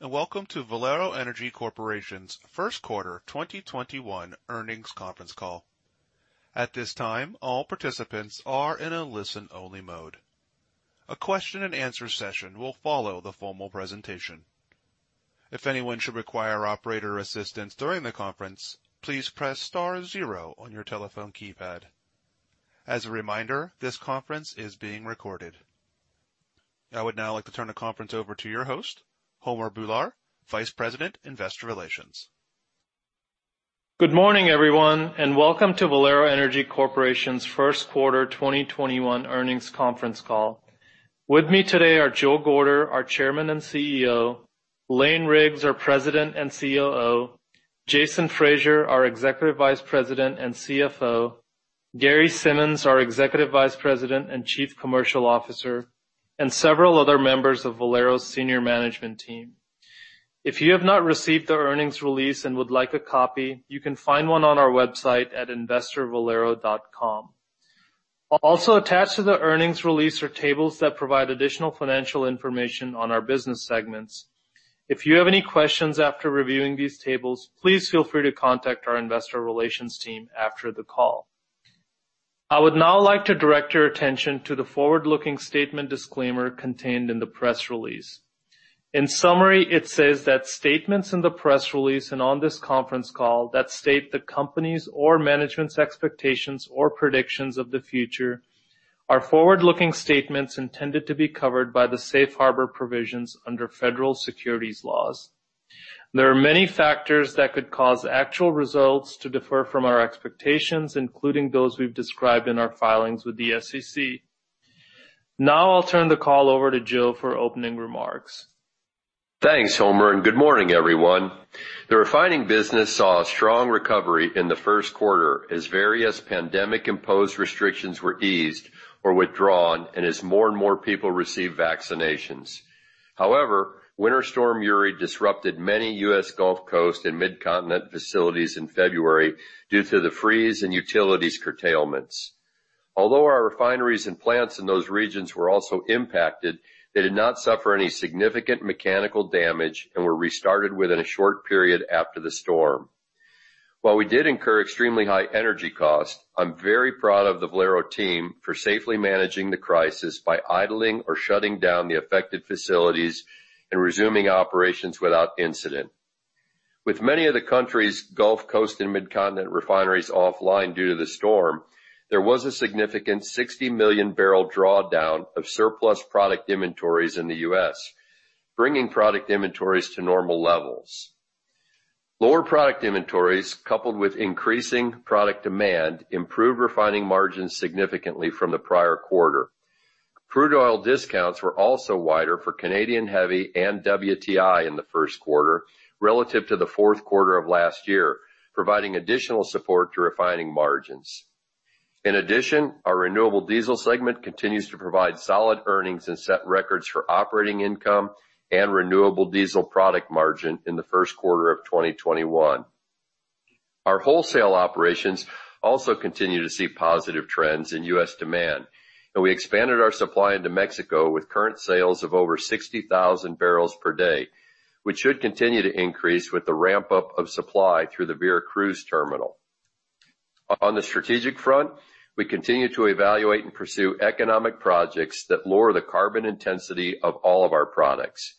Thanks, and welcome to Valero Energy Corporation's first quarter 2021 earnings conference call. At this time, all participants are in a listen-only mode. A question and answer session will follow the formal presentation. If anyone should require operator assistance during the conference, please press star zero on your telephone keypad. As a reminder, this conference is being recorded. I would now like to turn the conference over to your host, Homer Bhullar, Vice President, Investor Relations. Good morning, everyone. Welcome to Valero Energy Corporation's first quarter 2021 earnings conference call. With me today are Joe Gorder, our Chairman and CEO; Lane Riggs, our President and COO; Jason Fraser, our Executive Vice President and CFO; Gary Simmons, our Executive Vice President and Chief Commercial Officer, and several other members of Valero's senior management team. If you have not received the earnings release and would like a copy, you can find one on our website at investor.valero.com. Also attached to the earnings release are tables that provide additional financial information on our business segments. If you have any questions after reviewing these tables, please feel free to contact our investor relations team after the call. I would now like to direct your attention to the forward-looking statement disclaimer contained in the press release. In summary, it says that statements in the press release and on this conference call that state the company's or management's expectations or predictions of the future are forward-looking statements intended to be covered by the safe harbor provisions under federal securities laws. There are many factors that could cause actual results to differ from our expectations, including those we've described in our filings with the SEC. Now I'll turn the call over to Joe for opening remarks. Thanks, Homer, and good morning, everyone. The refining business saw a strong recovery in the first quarter as various pandemic-imposed restrictions were eased or withdrawn, and as more and more people received vaccinations. However, Winter Storm Uri disrupted many U.S. Gulf Coast and Midcontinent facilities in February due to the freeze and utilities curtailments. Although our refineries and plants in those regions were also impacted, they did not suffer any significant mechanical damage and were restarted within a short period after the storm. While we did incur extremely high energy costs, I'm very proud of the Valero team for safely managing the crisis by idling or shutting down the affected facilities and resuming operations without incident. With many of the country's Gulf Coast and Midcontinent refineries offline due to the storm, there was a significant 60 million-barrel drawdown of surplus product inventories in the U.S., bringing product inventories to normal levels. Lower product inventories, coupled with increasing product demand, improved refining margins significantly from the prior quarter. Crude oil discounts were also wider for Canadian heavy and WTI in the first quarter relative to the fourth quarter of last year, providing additional support to refining margins. In addition, our renewable diesel segment continues to provide solid earnings and set records for operating income and renewable diesel product margin in the first quarter of 2021. Our wholesale operations also continue to see positive trends in U.S. demand. We expanded our supply into Mexico with current sales of over 60,000 barrels per day, which should continue to increase with the ramp-up of supply through the Veracruz Terminal. On the strategic front, we continue to evaluate and pursue economic projects that lower the carbon intensity of all of our products.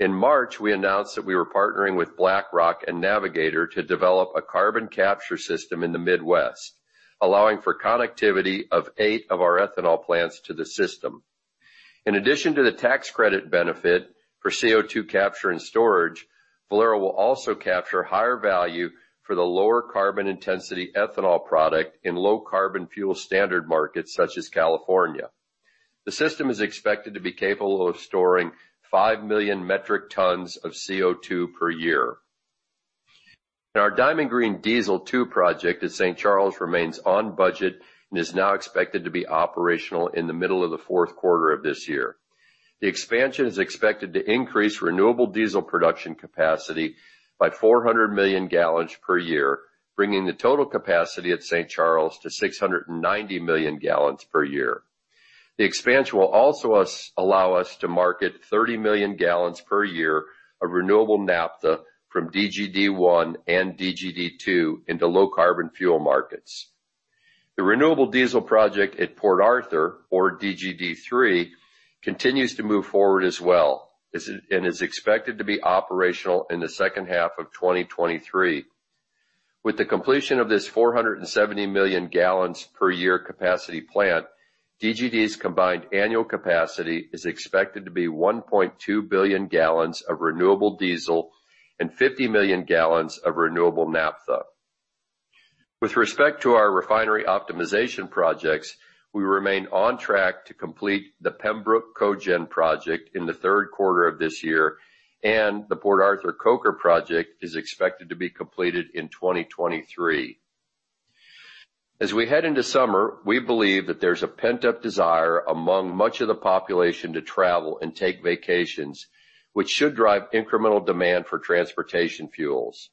In March, we announced that we were partnering with BlackRock and Navigator to develop a carbon capture system in the Midwest, allowing for connectivity of eight of our ethanol plants to the system. In addition to the tax credit benefit for CO2 capture and storage, Valero will also capture higher value for the lower carbon intensity ethanol product in Low Carbon Fuel Standard markets such as California. The system is expected to be capable of storing 5 million metric tons of CO2 per year. Our Diamond Green Diesel 2 project at St. Charles remains on budget and is now expected to be operational in the middle of the fourth quarter of this year. The expansion is expected to increase renewable diesel production capacity by 400 million gallons per year, bringing the total capacity at St. Charles to 690 million gallons per year. The expansion will also allow us to market 30 million gallons per year of renewable naphtha from DGD 1 and DGD 2 into low carbon fuel markets. The renewable diesel project at Port Arthur, or DGD 3, continues to move forward as well, and is expected to be operational in the second half of 2023. With the completion of this 470 million gallons per year capacity plant, DGD's combined annual capacity is expected to be 1.2 billion gallons of renewable diesel and 50 million gallons of renewable naphtha. With respect to our refinery optimization projects, we remain on track to complete the Pembroke Cogen project in the third quarter of this year, and the Port Arthur Coker project is expected to be completed in 2023. As we head into summer, we believe that there's a pent-up desire among much of the population to travel and take vacations, which should drive incremental demand for transportation fuels.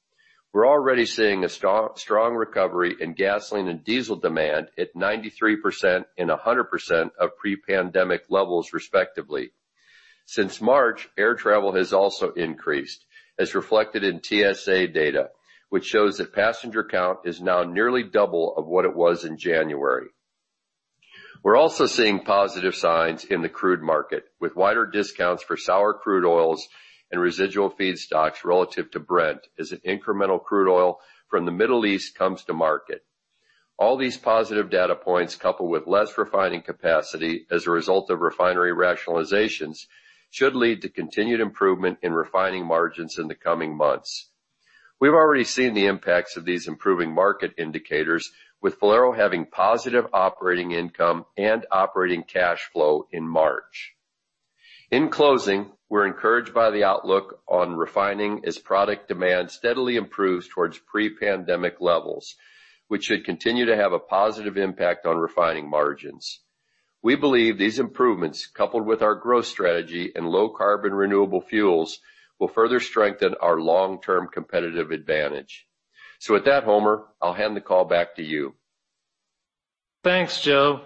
We're already seeing a strong recovery in gasoline and diesel demand at 93% and 100% of pre-pandemic levels, respectively. Since March, air travel has also increased, as reflected in TSA data, which shows that passenger count is now nearly double of what it was in January. We're also seeing positive signs in the crude market, with wider discounts for sour crude oils and residual feedstocks relative to Brent, as incremental crude oil from the Middle East comes to market. All these positive data points, coupled with less refining capacity as a result of refinery rationalizations, should lead to continued improvement in refining margins in the coming months. We've already seen the impacts of these improving market indicators, with Valero having positive operating income and operating cash flow in March. In closing, we're encouraged by the outlook on refining as product demand steadily improves towards pre-pandemic levels, which should continue to have a positive impact on refining margins. We believe these improvements, coupled with our growth strategy and low carbon renewable fuels, will further strengthen our long-term competitive advantage. With that, Homer, I'll hand the call back to you. Thanks, Joe.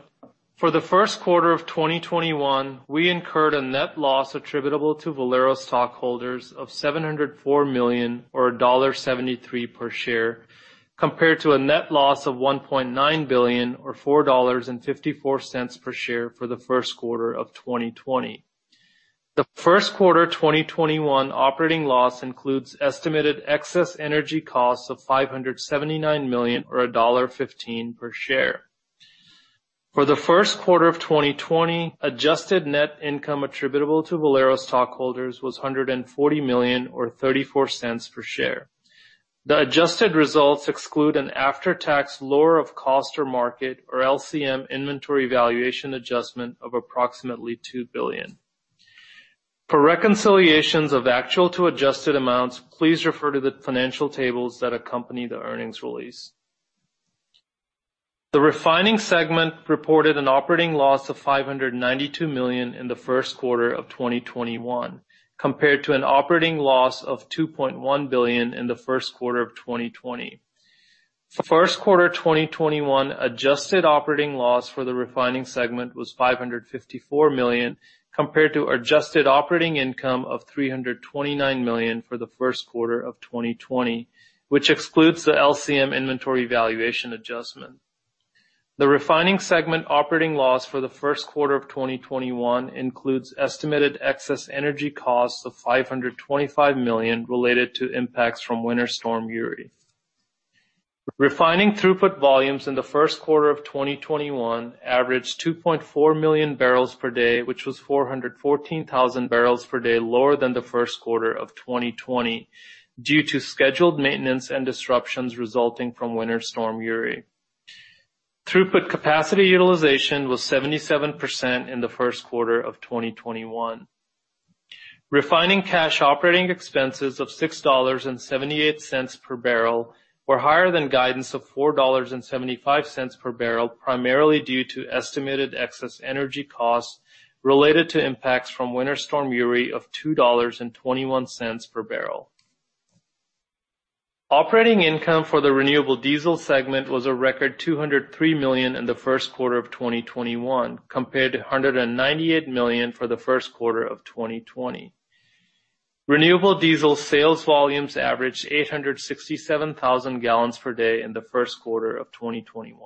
For the first quarter of 2021, we incurred a net loss attributable to Valero stockholders of $704 million, or $1.73 per share, compared to a net loss of $1.9 billion or $4.54 per share for the first quarter of 2020. The first quarter 2021 operating loss includes estimated excess energy costs of $579 million or $1.15 per share. For the first quarter of 2020, adjusted net income attributable to Valero stockholders was $140 million or $0.34 per share. The adjusted results exclude an after-tax lower of cost or market, or LCM, inventory valuation adjustment of approximately $2 billion. For reconciliations of actual to adjusted amounts, please refer to the financial tables that accompany the earnings release. The refining segment reported an operating loss of $592 million in the first quarter of 2021, compared to an operating loss of $2.1 billion in the first quarter of 2020. First quarter 2021 adjusted operating loss for the refining segment was $554 million, compared to adjusted operating income of $329 million for the first quarter of 2020, which excludes the LCM inventory valuation adjustment. The refining segment operating loss for the first quarter of 2021 includes estimated excess energy costs of $525 million related to impacts from Winter Storm Uri. Refining throughput volumes in the first quarter of 2021 averaged 2.4 million barrels per day, which was 414,000 barrels per day lower than the first quarter of 2020 due to scheduled maintenance and disruptions resulting from Winter Storm Uri. Throughput capacity utilization was 77% in the first quarter of 2021. Refining cash operating expenses of $6.78 per barrel were higher than guidance of $4.75 per barrel, primarily due to estimated excess energy costs related to impacts from Winter Storm Uri of $2.21 per barrel. Operating income for the renewable diesel segment was a record $203 million in the first quarter of 2021, compared to $198 million for the first quarter of 2020. Renewable diesel sales volumes averaged 867,000 gallons per day in the first quarter of 2021.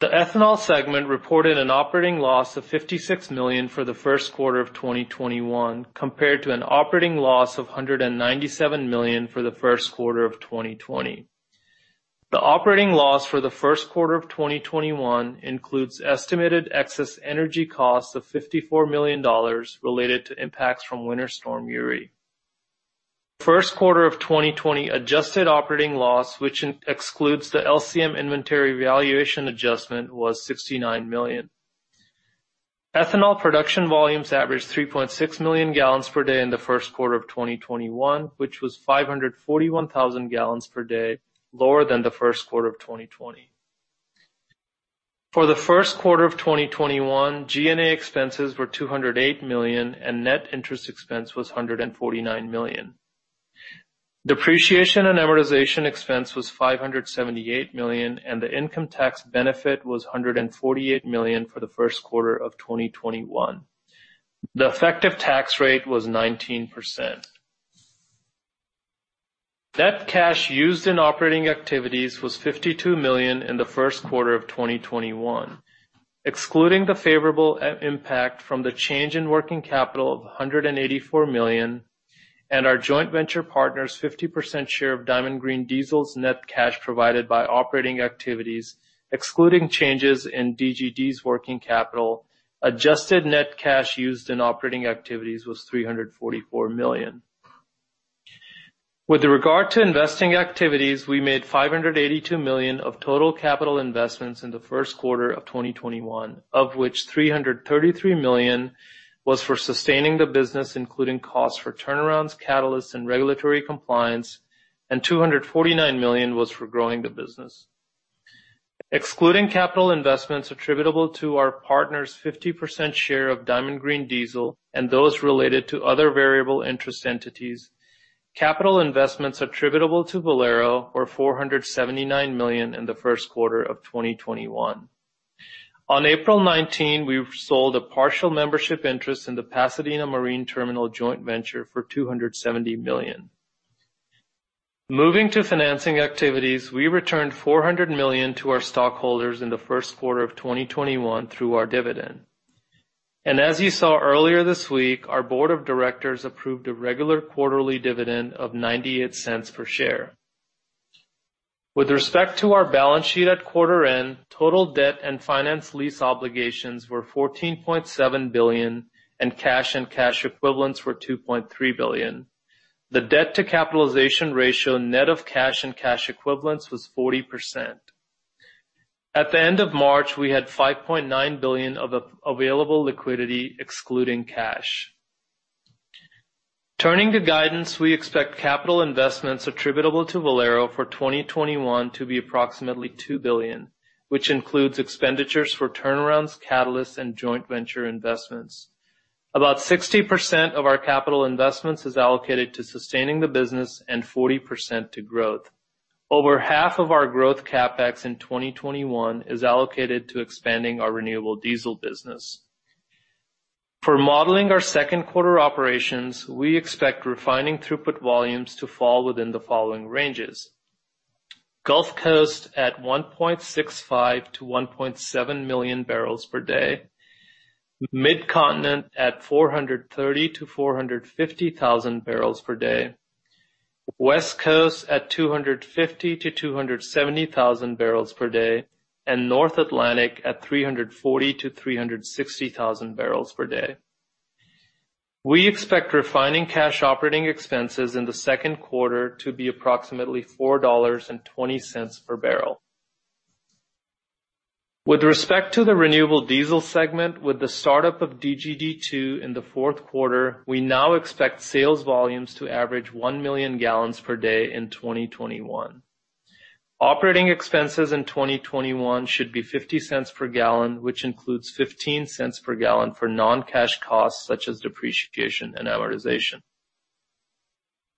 The ethanol segment reported an operating loss of $56 million for the first quarter of 2021, compared to an operating loss of $197 million for the first quarter of 2020. The operating loss for the first quarter of 2021 includes estimated excess energy costs of $54 million related to impacts from Winter Storm Uri. First quarter of 2020 adjusted operating loss, which excludes the LCM inventory valuation adjustment, was $69 million. Ethanol production volumes averaged 3.6 million gallons per day in the first quarter of 2021, which was 541,000 gallons per day lower than the first quarter of 2020. For the first quarter of 2021, G&A expenses were $208 million, and net interest expense was $149 million. Depreciation and amortization expense was $578 million, and the income tax benefit was $148 million for the first quarter of 2021. The effective tax rate was 19%. Net cash used in operating activities was $52 million in the first quarter of 2021. Excluding the favorable impact from the change in working capital of $184 million and our joint venture partner's 50% share of Diamond Green Diesel's net cash provided by operating activities, excluding changes in DGD's working capital, adjusted net cash used in operating activities was $344 million. With regard to investing activities, we made $582 million of total capital investments in the first quarter of 2021, of which $333 million was for sustaining the business, including costs for turnarounds, catalysts, and regulatory compliance, and $249 million was for growing the business. Excluding capital investments attributable to our partners' 50% share of Diamond Green Diesel and those related to other variable interest entities, capital investments attributable to Valero were $479 million in the first quarter of 2021. On April 19, we sold a partial membership interest in the Pasadena Marine Terminal joint venture for $270 million. Moving to financing activities, we returned $400 million to our stockholders in the first quarter of 2021 through our dividend. As you saw earlier this week, our board of directors approved a regular quarterly dividend of $0.98 per share. With respect to our balance sheet at quarter end, total debt and finance lease obligations were $14.7 billion, and cash and cash equivalents were $2.3 billion. The debt-to-capitalization ratio, net of cash and cash equivalents, was 40%. At the end of March, we had $5.9 billion of available liquidity excluding cash. Turning to guidance, we expect capital investments attributable to Valero for 2021 to be approximately $2 billion, which includes expenditures for turnarounds, catalysts, and joint venture investments. About 60% of our capital investments is allocated to sustaining the business and 40% to growth. Over half of our growth CapEx in 2021 is allocated to expanding our renewable diesel business. For modeling our second quarter operations, we expect refining throughput volumes to fall within the following ranges: Gulf Coast at 1.65 million-1.7 million barrels per day, Midcontinent at 430,000-450,000 barrels per day, West Coast at 250,000-270,000 barrels per day, and North Atlantic at 340,000-360,000 barrels per day. We expect refining cash operating expenses in the second quarter to be approximately $4.20 per barrel. With respect to the renewable diesel segment, with the startup of DGD 2 in the fourth quarter, we now expect sales volumes to average 1 million gallons per day in 2021. Operating expenses in 2021 should be $0.50 per gallon, which includes $0.15 per gallon for non-cash costs such as depreciation and amortization.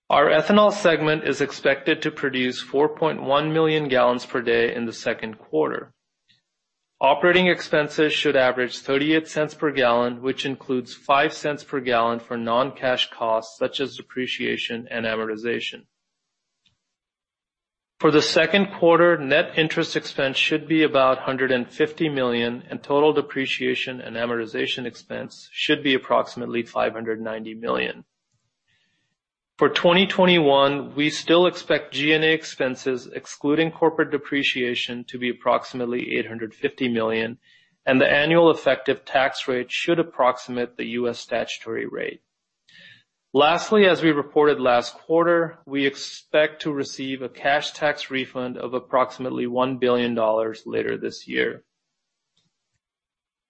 Our ethanol segment is expected to produce 4.1 million gallons per day in the second quarter. Operating expenses should average $0.38 per gallon, which includes $0.05 per gallon for non-cash costs such as depreciation and amortization. For the second quarter, net interest expense should be about $150 million, and total depreciation and amortization expense should be approximately $590 million. For 2021, we still expect G&A expenses, excluding corporate depreciation, to be approximately $850 million, and the annual effective tax rate should approximate the U.S. statutory rate. Lastly, as we reported last quarter, we expect to receive a cash tax refund of approximately $1 billion later this year.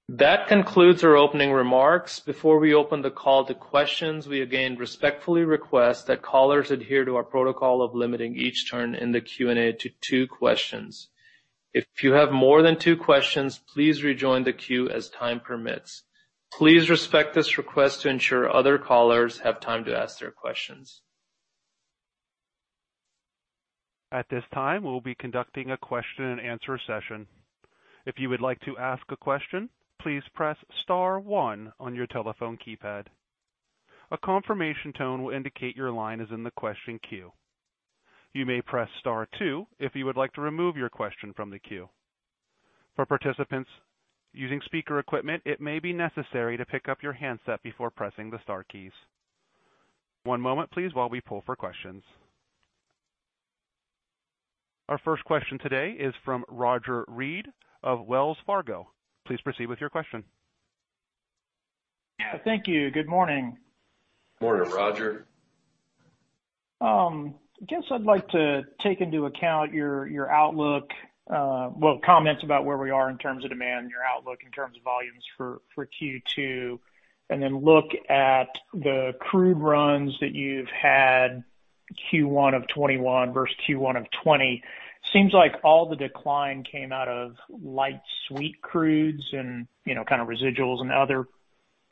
That concludes our opening remarks. Before we open the call to questions, we again respectfully request that callers adhere to our protocol of limiting each turn in the Q&A to two questions. If you have more than two questions, please rejoin the queue as time permits. Please respect this request to ensure other callers have time to ask their questions. At this time, we'll be conducting a question and answer session. If you would like to ask a question, please press star one on your telephone keypad. A confirmation tone will indicate your line is in the question queue. You may press star two if you would like to remove your question from the queue. For participants using speaker equipment, it may be necessary to pick up your handset before pressing the star keys. One moment, please, while we poll for questions. Our first question today is from Roger Read of Wells Fargo. Please proceed with your question. Thank you. Good morning. Morning, Roger. I guess I'd like to take into account your outlook, well, comments about where we are in terms of demand and your outlook in terms of volumes for Q2, then look at the crude runs that you've had Q1 2021 versus Q1 2020. Seems like all the decline came out of light sweet crudes and residuals and other.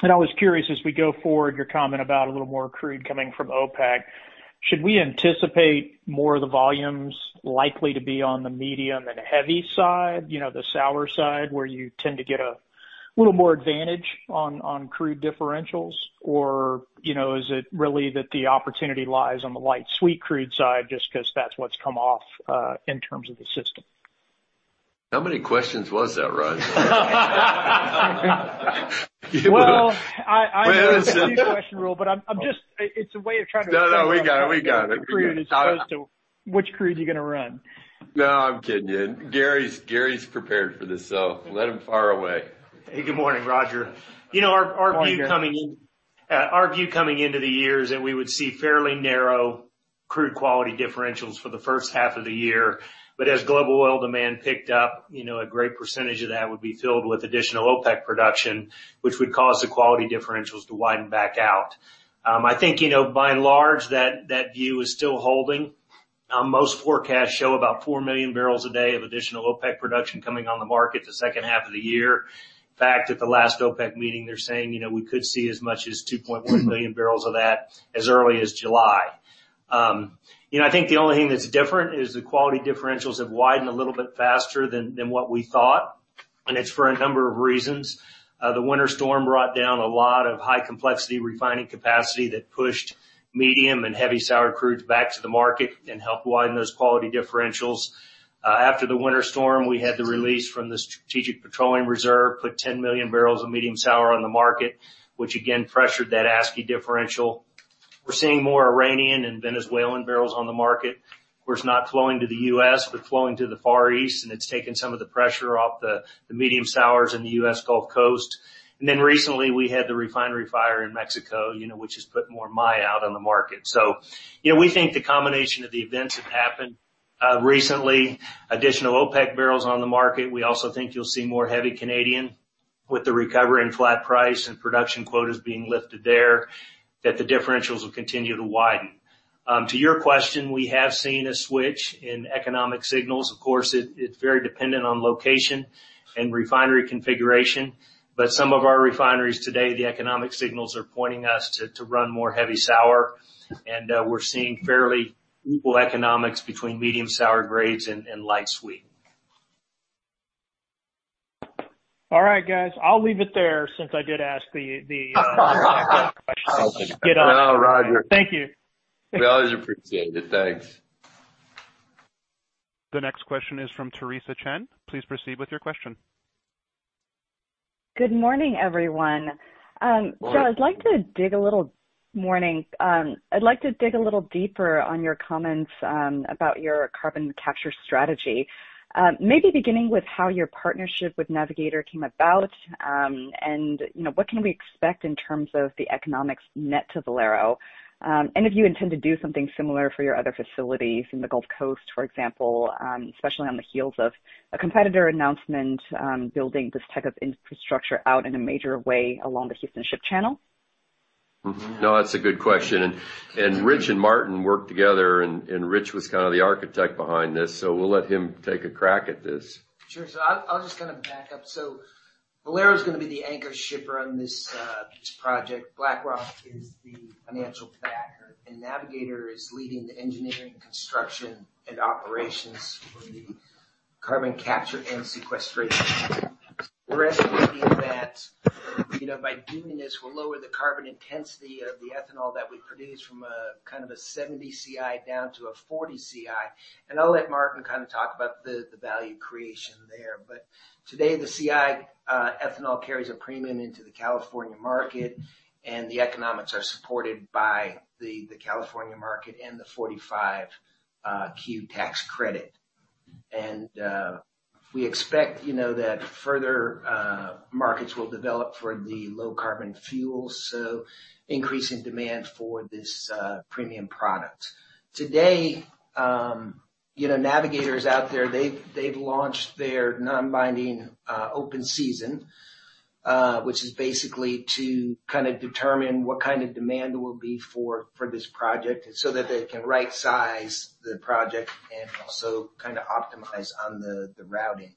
I was curious, as we go forward, your comment about a little more crude coming from OPEC. Should we anticipate more of the volumes likely to be on the medium and heavy side, the sour side, where you tend to get a little more advantage on crude differentials? Is it really that the opportunity lies on the light sweet crude side just because that's what's come off in terms of the system? How many questions was that, Roger? Well, I know the two-question rule, but it's a way of trying to- No, we got it. We got it. which crude it's close to, which crude you're going to run. No, I'm kidding you. Gary's prepared for this, so let him fire away. Hey, good morning, Roger. Our view coming into the year is that we would see fairly narrow crude quality differentials for the first half of the year, as global oil demand picked up, a great percentage of that would be filled with additional OPEC production, which would cause the quality differentials to widen back out. By and large, that view is still holding. Most forecasts show about 4 million barrels a day of additional OPEC production coming on the market the second half of the year. At the last OPEC meeting, they're saying we could see as much as 2.1 million barrels of that as early as July. The only thing that's different is the quality differentials have widened a little bit faster than what we thought, and it's for a number of reasons. The winter storm brought down a lot of high complexity refining capacity that pushed medium and heavy sour crudes back to the market and helped widen those quality differentials. After the winter storm, we had the release from the Strategic Petroleum Reserve put 10 million barrels of medium sour on the market, which again pressured that ASCI differential. We're seeing more Iranian and Venezuelan barrels on the market, which is not flowing to the U.S. but flowing to the Far East, and it's taken some of the pressure off the medium sours in the U.S. Gulf Coast. Recently we had the refinery fire in Mexico, which has put more Maya out on the market. We think the combination of the events that happened recently, additional OPEC barrels on the market, we also think you'll see more heavy Canadian with the recovery in flat price and production quotas being lifted there, that the differentials will continue to widen. To your question, we have seen a switch in economic signals. Of course, it's very dependent on location and refinery configuration. Some of our refineries today, the economic signals are pointing us to run more heavy sour, and we're seeing fairly equal economics between medium sour grades and light sweet. All right, guys, I'll leave it there since I did ask the question to get on. No, Roger. Thank you. We always appreciate it. Thanks. The next question is from Theresa Chen. Please proceed with your question. Good morning, everyone. Morning. Morning. I'd like to dig a little deeper on your comments about your carbon capture strategy. Maybe beginning with how your partnership with Navigator came about, and what can we expect in terms of the economics net to Valero, and if you intend to do something similar for your other facilities in the Gulf Coast, for example, especially on the heels of a competitor announcement building this type of infrastructure out in a major way along the Houston Ship Channel. No, that's a good question. Rich and Martin worked together, and Rich was kind of the architect behind this, so we'll let him take a crack at this. Sure. I'll just kind of back up. Valero is going to be the anchor shipper on this project. BlackRock is the financial backer, and Navigator is leading the engineering, construction, and operations for the carbon capture and sequestration. We're estimating that by doing this, we'll lower the carbon intensity of the ethanol that we produce from kind of a 70 CI down to a 40 CI. I'll let Martin kind of talk about the value creation there. Today, the CI ethanol carries a premium into the California market, and the economics are supported by the California market and the 45Q tax credit. We expect that further markets will develop for the low carbon fuel, so increasing demand for this premium product. Today Navigator's out there. They've launched their non-binding open season, which is basically to kind of determine what kind of demand there will be for this project so that they can right-size the project and also kind of optimize on the routing.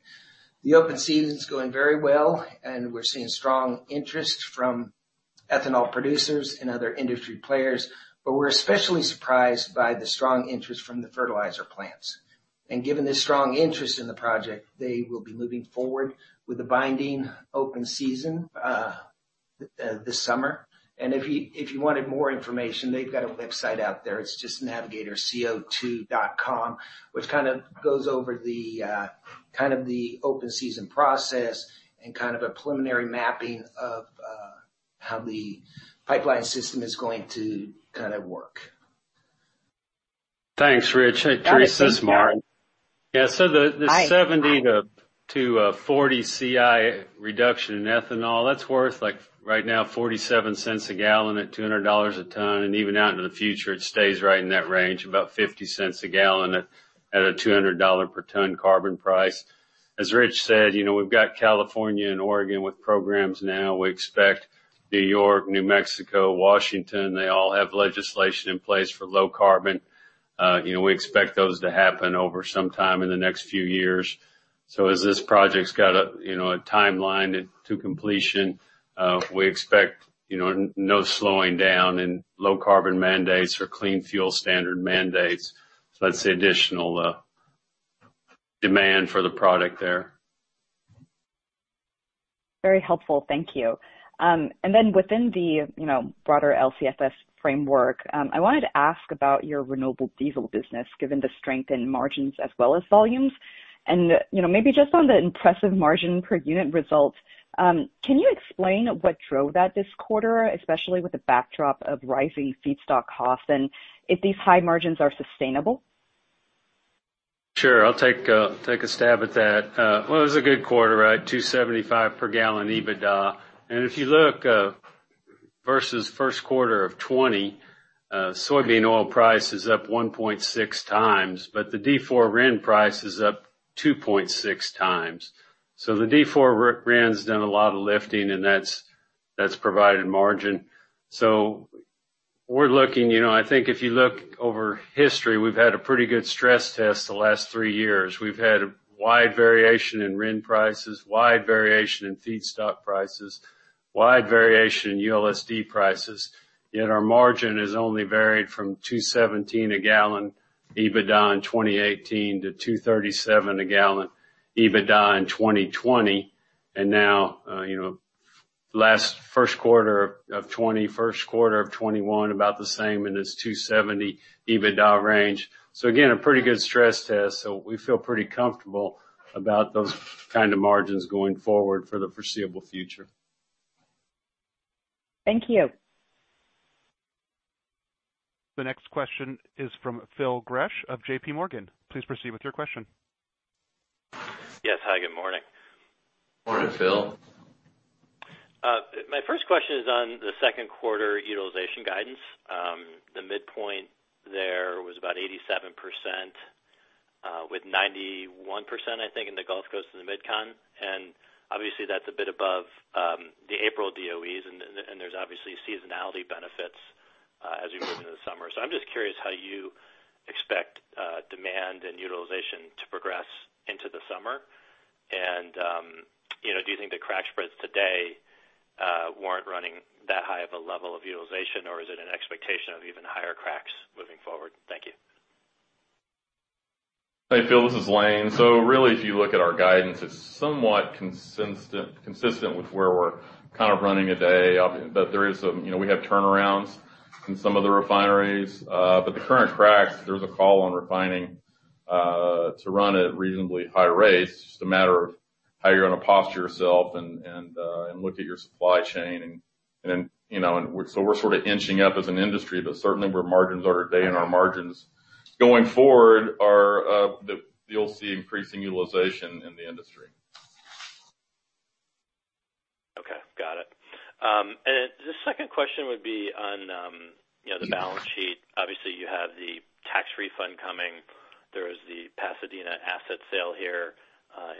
The open season's going very well, we're seeing strong interest from ethanol producers and other industry players, but we're especially surprised by the strong interest from the fertilizer plants. Given this strong interest in the project, they will be moving forward with the binding open season this summer. If you wanted more information, they've got a website out there. It's just navigatorco2.com, which kind of goes over the open season process and kind of a preliminary mapping of how the pipeline system is going to kind of work. Thanks, Rich. Hey, Theresa. It's Martin. Hi. So the 70 to 40 CI reduction in ethanol, that's worth like right now $0.47 a gallon at $200 a ton. Even out into the future, it stays right in that range, about $0.50 a gallon at a $200 per ton carbon price. As Rich said, we've got California and Oregon with programs now. We expect New York, New Mexico, Washington, they all have legislation in place for low carbon. We expect those to happen over some time in the next few years. As this project's got a timeline to completion, we expect no slowing down in low carbon mandates or Clean Fuel Standard mandates. That's the additional demand for the product there. Very helpful. Thank you. Within the broader LCFS framework, I wanted to ask about your renewable diesel business, given the strength in margins as well as volumes. Maybe just on the impressive margin per unit results, can you explain what drove that this quarter, especially with the backdrop of rising feedstock costs and if these high margins are sustainable? Sure. I'll take a stab at that. It was a good quarter, right? $2.75 per gallon EBITDA. If you look versus first quarter of 2020, soybean oil price is up 1.6x, but the D4 RIN price is up 2.6x. The D4 RIN's done a lot of lifting, and that's provided margin. I think if you look over history, we've had a pretty good stress test the last three years. We've had wide variation in RIN prices, wide variation in feedstock prices, wide variation in ULSD prices, yet our margin has only varied from $2.17 a gallon EBITDA in 2018 to $2.37 a gallon EBITDA in 2020. Now, first quarter of 2020, first quarter of 2021, about the same in this $2.70 EBITDA range. Again, a pretty good stress test. We feel pretty comfortable about those kind of margins going forward for the foreseeable future. Thank you. The next question is from Phil Gresh of JPMorgan. Please proceed with your question. Yes. Hi, good morning. Morning, Phil. My first question is on the second quarter utilization guidance. The midpoint there was about 87%, with 91%, I think, in the Gulf Coast to the Midcontinent. Obviously that's a bit above the April DOEs. There's obviously seasonality benefits as we move into the summer. I'm just curious how you expect demand and utilization to progress into the summer. Do you think the crack spreads today weren't running that high of a level of utilization, or is it an expectation of even higher cracks moving forward? Thank you. Hey, Phil Gresh, this is Lane Riggs. Really, if you look at our guidance, it's somewhat consistent with where we're kind of running today. We have turnarounds in some of the refineries. The current cracks, there's a call on refining to run at reasonably high rates. It's just a matter of how you're going to posture yourself and look at your supply chain. We're sort of inching up as an industry, but certainly where margins are today and our margins going forward are you'll see increasing utilization in the industry. Okay. Got it. The second question would be on the balance sheet. Obviously, you have the tax refund coming. There is the Pasadena asset sale here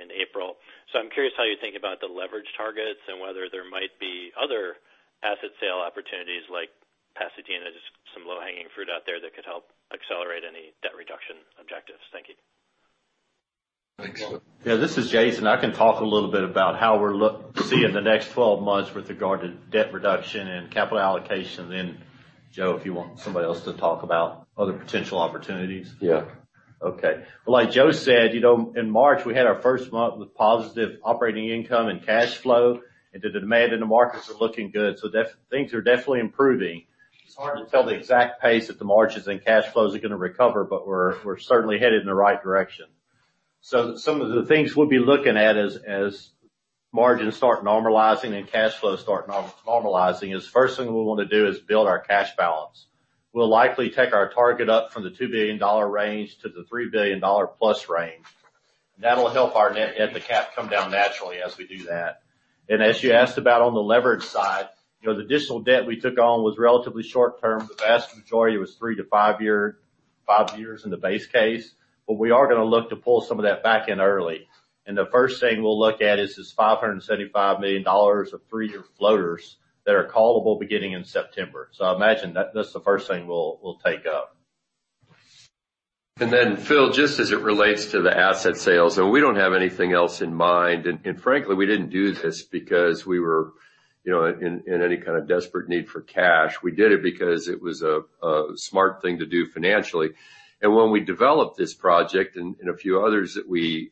in April. I'm curious how you think about the leverage targets and whether there might be other asset sale opportunities like Pasadena. Just some low-hanging fruit out there that could help accelerate any debt reduction objectives. Thank you. Thanks, Phil. This is Jason. I can talk a little bit about how we're seeing the next 12 months with regard to debt reduction and capital allocation. Joe, if you want somebody else to talk about other potential opportunities. Yeah. Well, like Joe said, in March, we had our first month with positive operating income and cash flow, and the demand in the markets are looking good. Things are definitely improving. It's hard to tell the exact pace that the margins and cash flows are going to recover, but we're certainly headed in the right direction. Some of the things we'll be looking at as margins start normalizing and cash flows start normalizing is first thing we want to do is build our cash balance. We'll likely take our target up from the $2 billion range to the $3 billion-plus range. That'll help our net debt to cap come down naturally as we do that. As you asked about on the leverage side, the additional debt we took on was relatively short-term. The vast majority was three to five years in the base case. We are going to look to pull some of that back in early, and the first thing we'll look at is this $575 million of three-year floaters that are callable beginning in September. I imagine that's the first thing we'll take up. Phil, just as it relates to the asset sales, we don't have anything else in mind. Frankly, we didn't do this because we were in any kind of desperate need for cash. We did it because it was a smart thing to do financially. When we developed this project and a few others that we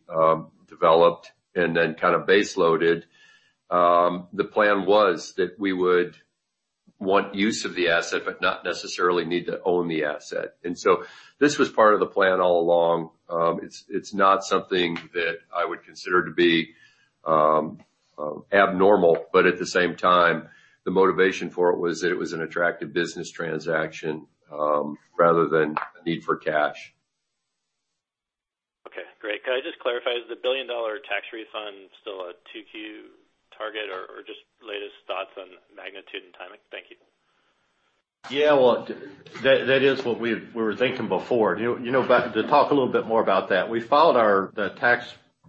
developed and then kind of baseloaded, the plan was that we would want use of the asset, but not necessarily need to own the asset. This was part of the plan all along. It's not something that I would consider to be abnormal, but at the same time, the motivation for it was that it was an attractive business transaction rather than a need for cash. Okay, great. Could I just clarify, is the billion-dollar tax refund still a 2Q target or just latest thoughts on magnitude and timing? Thank you. Yeah. Well, that is what we were thinking before. To talk a little bit more about that, we filed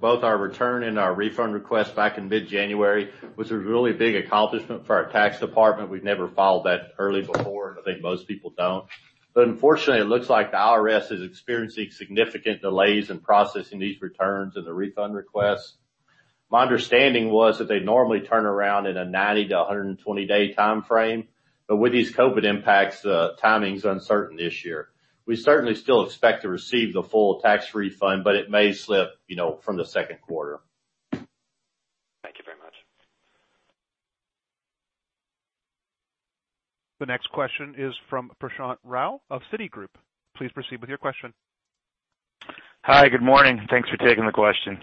both our return and our refund request back in mid-January, was a really big accomplishment for our tax department. We've never filed that early before, and I think most people don't. Unfortunately, it looks like the IRS is experiencing significant delays in processing these returns and the refund requests. My understanding was that they normally turn around in a 90- to 120-day timeframe, but with these COVID impacts, the timing's uncertain this year. We certainly still expect to receive the full tax refund, but it may slip from the second quarter. Thank you very much. The next question is from Prashant Rao of Citigroup. Please proceed with your question. Hi, good morning. Thanks for taking the question.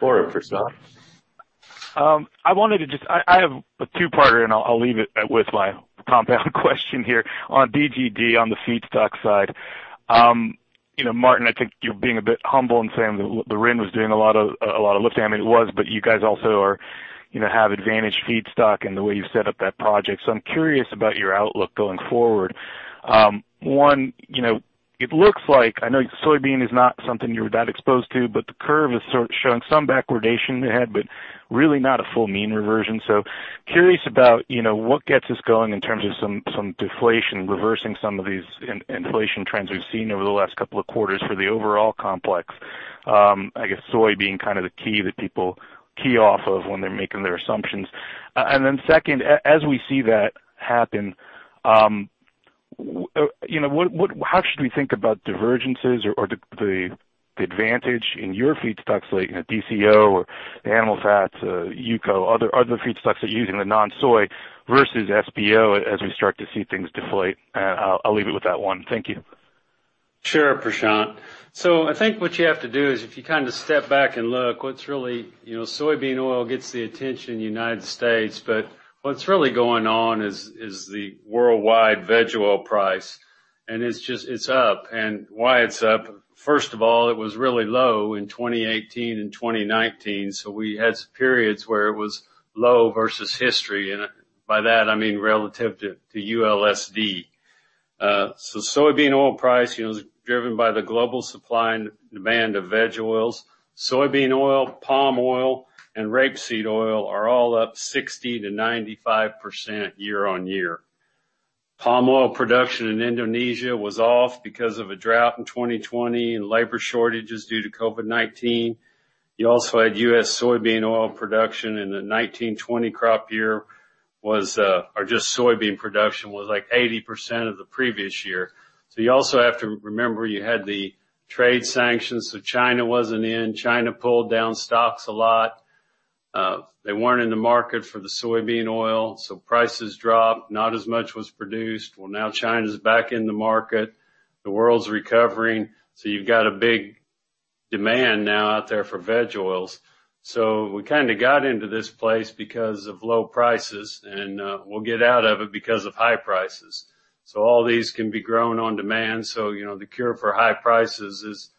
Morning, Prashant. I have a two-parter, and I'll leave it with my compound question here on DGD on the feedstock side. Martin, I think you're being a bit humble in saying the RIN was doing a lot of lifting. I mean, it was, but you guys also have advantage feedstock in the way you set up that project. I'm curious about your outlook going forward. One, it looks like, I know soybean is not something you're that exposed to, but the curve is showing some backwardation ahead, but really not a full mean reversion. Curious about what gets us going in terms of some deflation, reversing some of these inflation trends we've seen over the last couple of quarters for the overall complex. I guess soy being the key that people key off of when they're making their assumptions. Second, as we see that happen, how should we think about divergences or the advantage in your feedstocks, like DCO or animal fats, UCO, other feedstocks that you're using, the non-soy versus SBO, as we start to see things deflate? I'll leave it with that one. Thank you. Sure, Prashant. I think what you have to do is if you step back and look, soybean oil gets the attention in the U.S., but what's really going on is the worldwide veg oil price. It's up. Why it's up, first of all, it was really low in 2018 and 2019. We had some periods where it was low versus history, and by that, I mean relative to ULSD. Soybean oil price is driven by the global supply and demand of veg oils. Soybean oil, palm oil, and rapeseed oil are all up 60%-95% year-on-year. Palm oil production in Indonesia was off because of a drought in 2020 and labor shortages due to COVID-19. You also had U.S. soybean oil production in the 2019, 2020 crop year, or just soybean production was like 80% of the previous year. You also have to remember, you had the trade sanctions, China wasn't in. China pulled down stocks a lot. They weren't in the market for the soybean oil, prices dropped. Not as much was produced. Now China's back in the market. The world's recovering. You've got a big demand now out there for veg oils. We kind of got into this place because of low prices, and we'll get out of it because of high prices. All these can be grown on demand. The cure for high prices is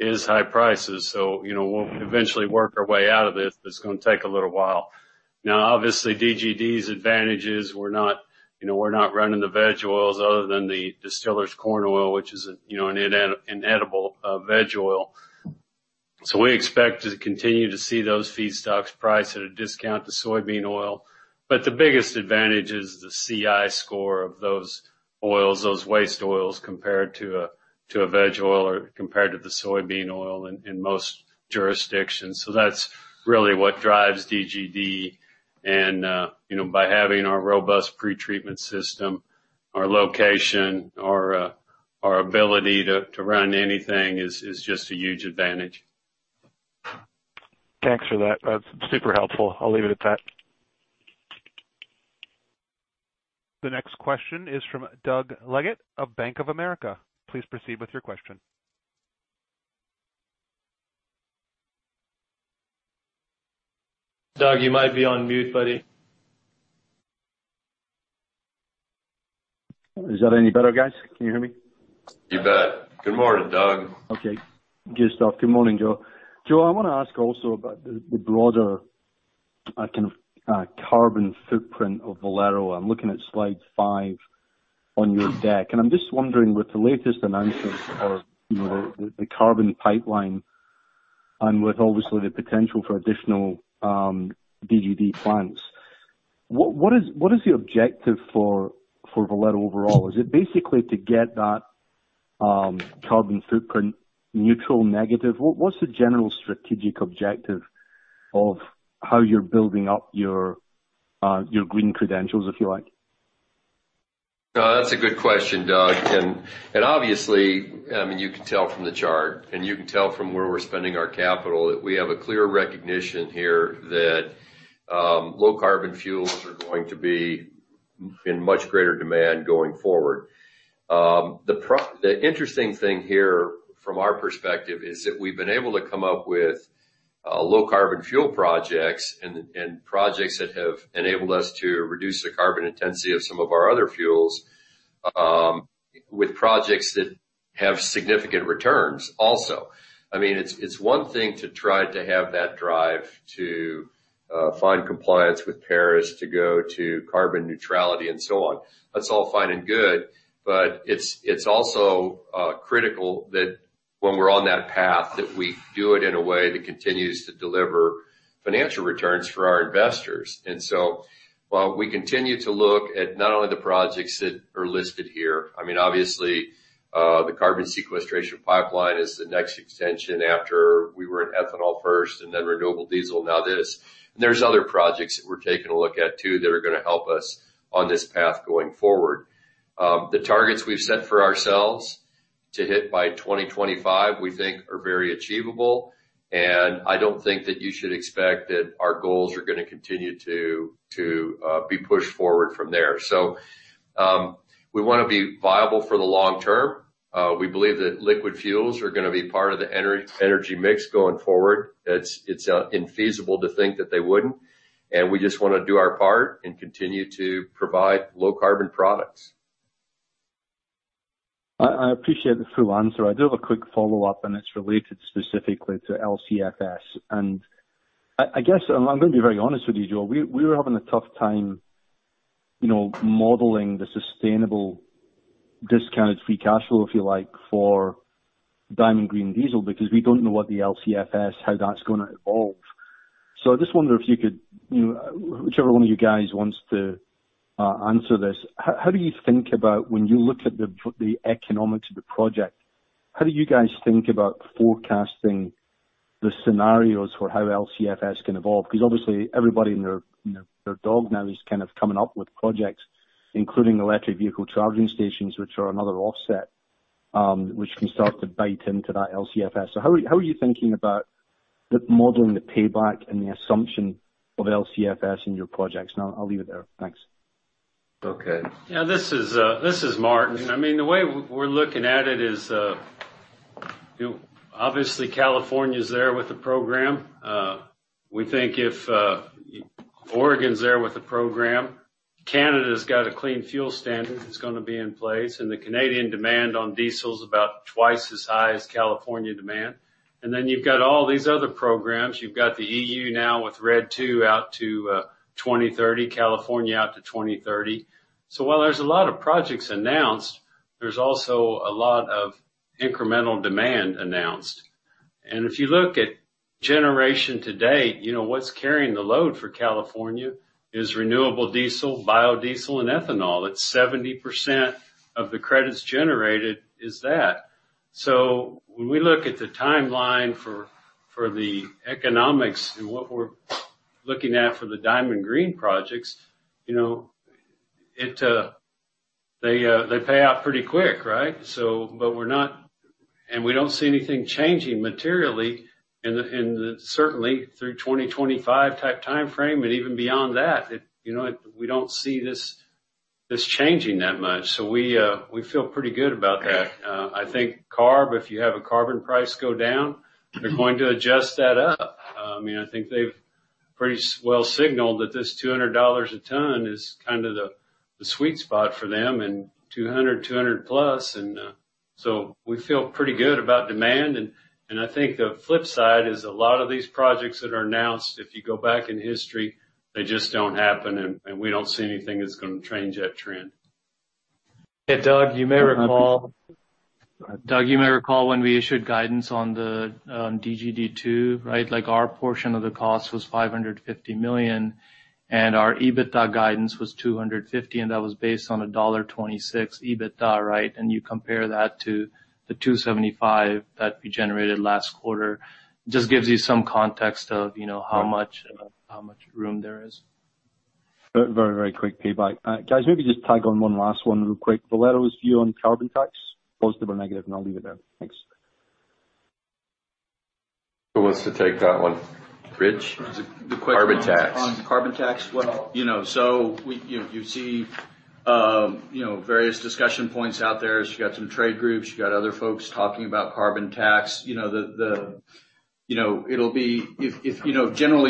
high prices. We'll eventually work our way out of this, but it's going to take a little while. Now, obviously, DGD's advantage is we're not running the veg oils other than the distillers' corn oil, which is an inedible veg oil. We expect to continue to see those feedstocks priced at a discount to soybean oil. The biggest advantage is the CI score of those oils, those waste oils, compared to a veg oil or compared to the soybean oil in most jurisdictions. That's really what drives DGD. By having our robust pretreatment system, our location, our ability to run anything is just a huge advantage. Thanks for that. That's super helpful. I'll leave it at that. The next question is from Doug Leggate of Bank of America. Please proceed with your question. Doug, you might be on mute, buddy. Is that any better, guys? Can you hear me? You bet. Good morning, Doug. Okay. Good stuff. Good morning, Joe. Joe, I want to ask also about the broader kind of carbon footprint of Valero. I'm looking at slide five on your deck. I'm just wondering with the latest announcements of the carbon pipeline and with obviously the potential for additional DGD plants, what is the objective for Valero overall? Is it basically to get that carbon footprint neutral negative? What's the general strategic objective of how you're building up your green credentials, if you like? That's a good question, Doug. Obviously, you can tell from the chart, and you can tell from where we're spending our capital, that we have a clear recognition here that low carbon fuels are going to be in much greater demand going forward. The interesting thing here from our perspective is that we've been able to come up with low carbon fuel projects and projects that have enabled us to reduce the carbon intensity of some of our other fuels with projects that have significant returns also. It's one thing to try to have that drive to find compliance with Paris, to go to carbon neutrality, and so on. It's also critical that when we're on that path, that we do it in a way that continues to deliver financial returns for our investors. While we continue to look at not only the projects that are listed here, obviously, the carbon sequestration pipeline is the next extension after we were in ethanol first and then renewable diesel, now this. There's other projects that we're taking a look at, too, that are going to help us on this path going forward. The targets we've set for ourselves to hit by 2025, we think are very achievable, and I don't think that you should expect that our goals are going to continue to be pushed forward from there. We want to be viable for the long term. We believe that liquid fuels are going to be part of the energy mix going forward. It's infeasible to think that they wouldn't, and we just want to do our part and continue to provide low carbon products. I appreciate the full answer. I do have a quick follow-up, and it's related specifically to LCFS. I guess I'm going to be very honest with you, Joe. We were having a tough time modeling the sustainable discounted free cash flow, if you like, for Diamond Green Diesel, because we don't know what the LCFS, how that's going to evolve. I just wonder if you could, whichever one of you guys wants to answer this, how do you think about when you look at the economics of the project, how do you guys think about forecasting the scenarios for how LCFS can evolve? Obviously, everybody and their dog now is kind of coming up with projects, including electric vehicle charging stations, which are another offset, which can start to bite into that LCFS. How are you thinking about modeling the payback and the assumption of LCFS in your projects now? I'll leave it there. Thanks. Okay. Yeah, this is Martin. The way we're looking at it is, obviously California's there with the program. We think if Oregon's there with the program, Canada's got a Clean Fuel Standard that's going to be in place, and the Canadian demand on diesel is about twice as high as California demand. Then you've got all these other programs. You've got the EU now with RED II out to 2030, California out to 2030. While there's a lot of projects announced, there's also a lot of incremental demand announced. If you look at generation to date, what's carrying the load for California is renewable diesel, biodiesel, and ethanol. It's 70% of the credits generated is that. When we look at the timeline for the economics and what we're looking at for the Diamond Green projects, they pay off pretty quick, right? We don't see anything changing materially, and certainly through 2025 type timeframe, and even beyond that. We don't see this changing that much. We feel pretty good about that. I think CARB, if you have a carbon price go down, they're going to adjust that up. I think they've pretty well signaled that this $200 a ton is kind of the sweet spot for them, $200, $200 plus, we feel pretty good about demand. I think the flip side is a lot of these projects that are announced, if you go back in history, they just don't happen, and we don't see anything that's going to change that trend. Hey, Doug, you may recall when we issued guidance on DGD 2, right? Our portion of the cost was $550 million, our EBITDA guidance was $250 million, and that was based on $1.26 EBITDA, right? You compare that to the $275 million that we generated last quarter. Just gives you some context of how much room there is. Very quick payback. Guys, maybe just tag on one last one real quick. Valero's view on carbon tax, positive or negative? I'll leave it there. Thanks. Who wants to take that one? Rich? Carbon tax. On carbon tax? You see various discussion points out there. You've got some trade groups, you've got other folks talking about carbon tax. Generally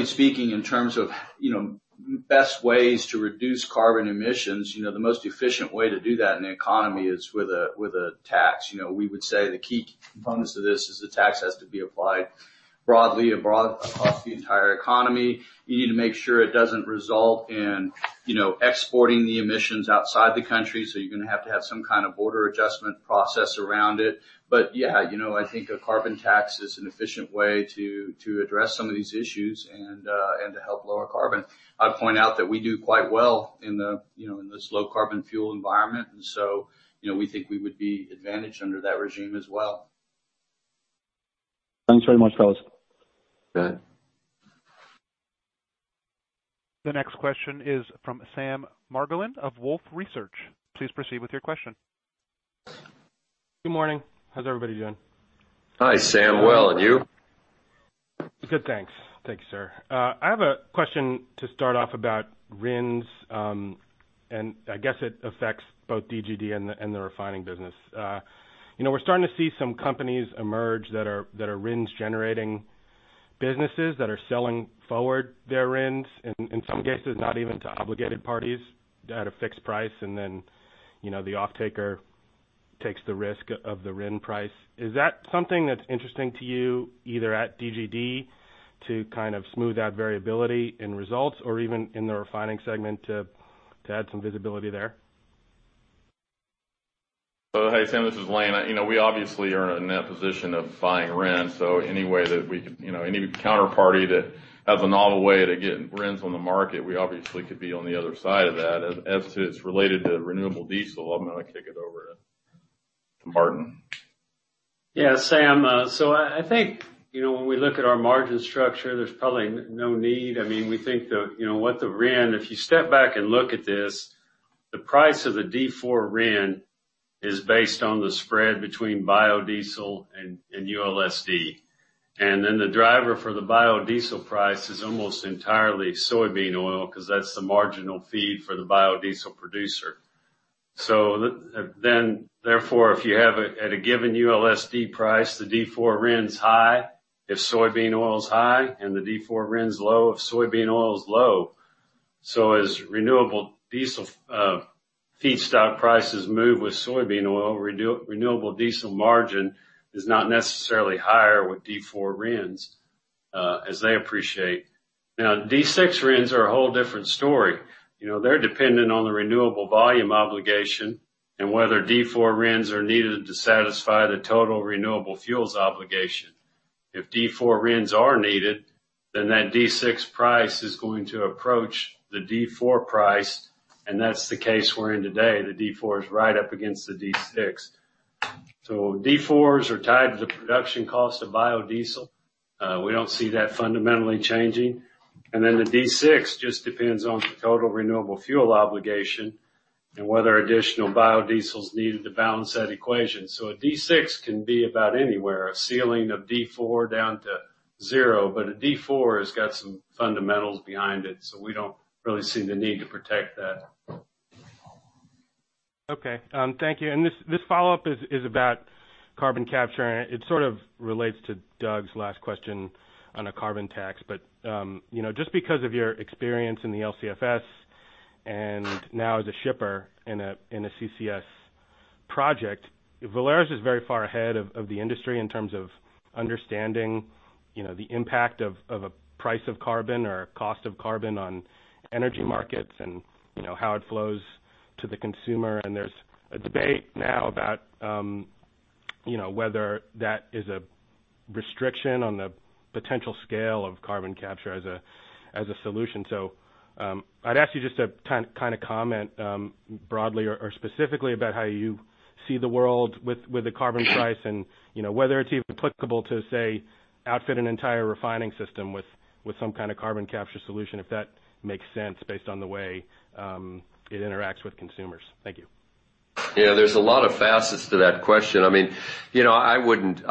speaking, in terms of best ways to reduce carbon emissions, the most efficient way to do that in the economy is with a tax. We would say the key components to this is the tax has to be applied broadly across the entire economy. You need to make sure it doesn't result in exporting the emissions outside the country, you're going to have to have some kind of border adjustment process around it. I think a carbon tax is an efficient way to address some of these issues and to help lower carbon. I'd point out that we do quite well in this low carbon fuel environment. We think we would be advantaged under that regime as well. Thanks very much, fellas. Go ahead. The next question is from Sam Margolin of Wolfe Research. Please proceed with your question. Good morning. How's everybody doing? Hi, Sam. Well, and you? Good, thanks. Thank you, sir. I have a question to start off about RINs. I guess it affects both DGD and the refining business. We're starting to see some companies emerge that are RINs generating businesses that are selling forward their RINs, in some cases, not even to obligated parties at a fixed price. Then, the offtaker takes the risk of the RIN price. Is that something that's interesting to you, either at DGD to kind of smooth out variability in results or even in the refining segment to add some visibility there? Hey, Sam, this is Lane. We obviously are in that position of buying RINs. Any counterparty that has a novel way to get RINs on the market, we obviously could be on the other side of that. As to it's related to renewable diesel, I'm going to kick it over to Martin. Sam. I think when we look at our margin structure, there's probably no need. We think that what the RIN, if you step back and look at this, the price of the D4 RIN is based on the spread between biodiesel and ULSD. The driver for the biodiesel price is almost entirely soybean oil because that's the marginal feed for the biodiesel producer. Therefore, if you have at a given ULSD price, the D4 RIN's high if soybean oil is high and the D4 RIN's low if soybean oil is low. As renewable diesel feedstock prices move with soybean oil, renewable diesel margin is not necessarily higher with D4 RINs as they appreciate. D6 RINs are a whole different story. They're dependent on the renewable volume obligation and whether D4 RINs are needed to satisfy the total renewable fuels obligation. D4 RINs are needed, that D6 price is going to approach the D4 price, and that's the case we're in today. The D4 is right up against the D6. D4s are tied to the production cost of biodiesel. We don't see that fundamentally changing. The D6 just depends on the total renewable fuel obligation and whether additional biodiesel is needed to balance that equation. A D6 can be about anywhere, a ceiling of D4 down to zero. A D4 has got some fundamentals behind it, so we don't really see the need to protect that. Okay. Thank you. This follow-up is about carbon capture, and it sort of relates to Doug's last question on a carbon tax. Just because of your experience in the LCFS and now as a shipper in a CCS project, Valero's is very far ahead of the industry in terms of understanding the impact of a price of carbon or cost of carbon on energy markets and how it flows to the consumer. There's a debate now about whether that is a restriction on the potential scale of carbon capture as a solution. I'd ask you just to comment broadly or specifically about how you see the world with the carbon price and whether it's even applicable to, say, outfit an entire refining system with some kind of carbon capture solution, if that makes sense based on the way it interacts with consumers. Thank you. Yeah, there's a lot of facets to that question. I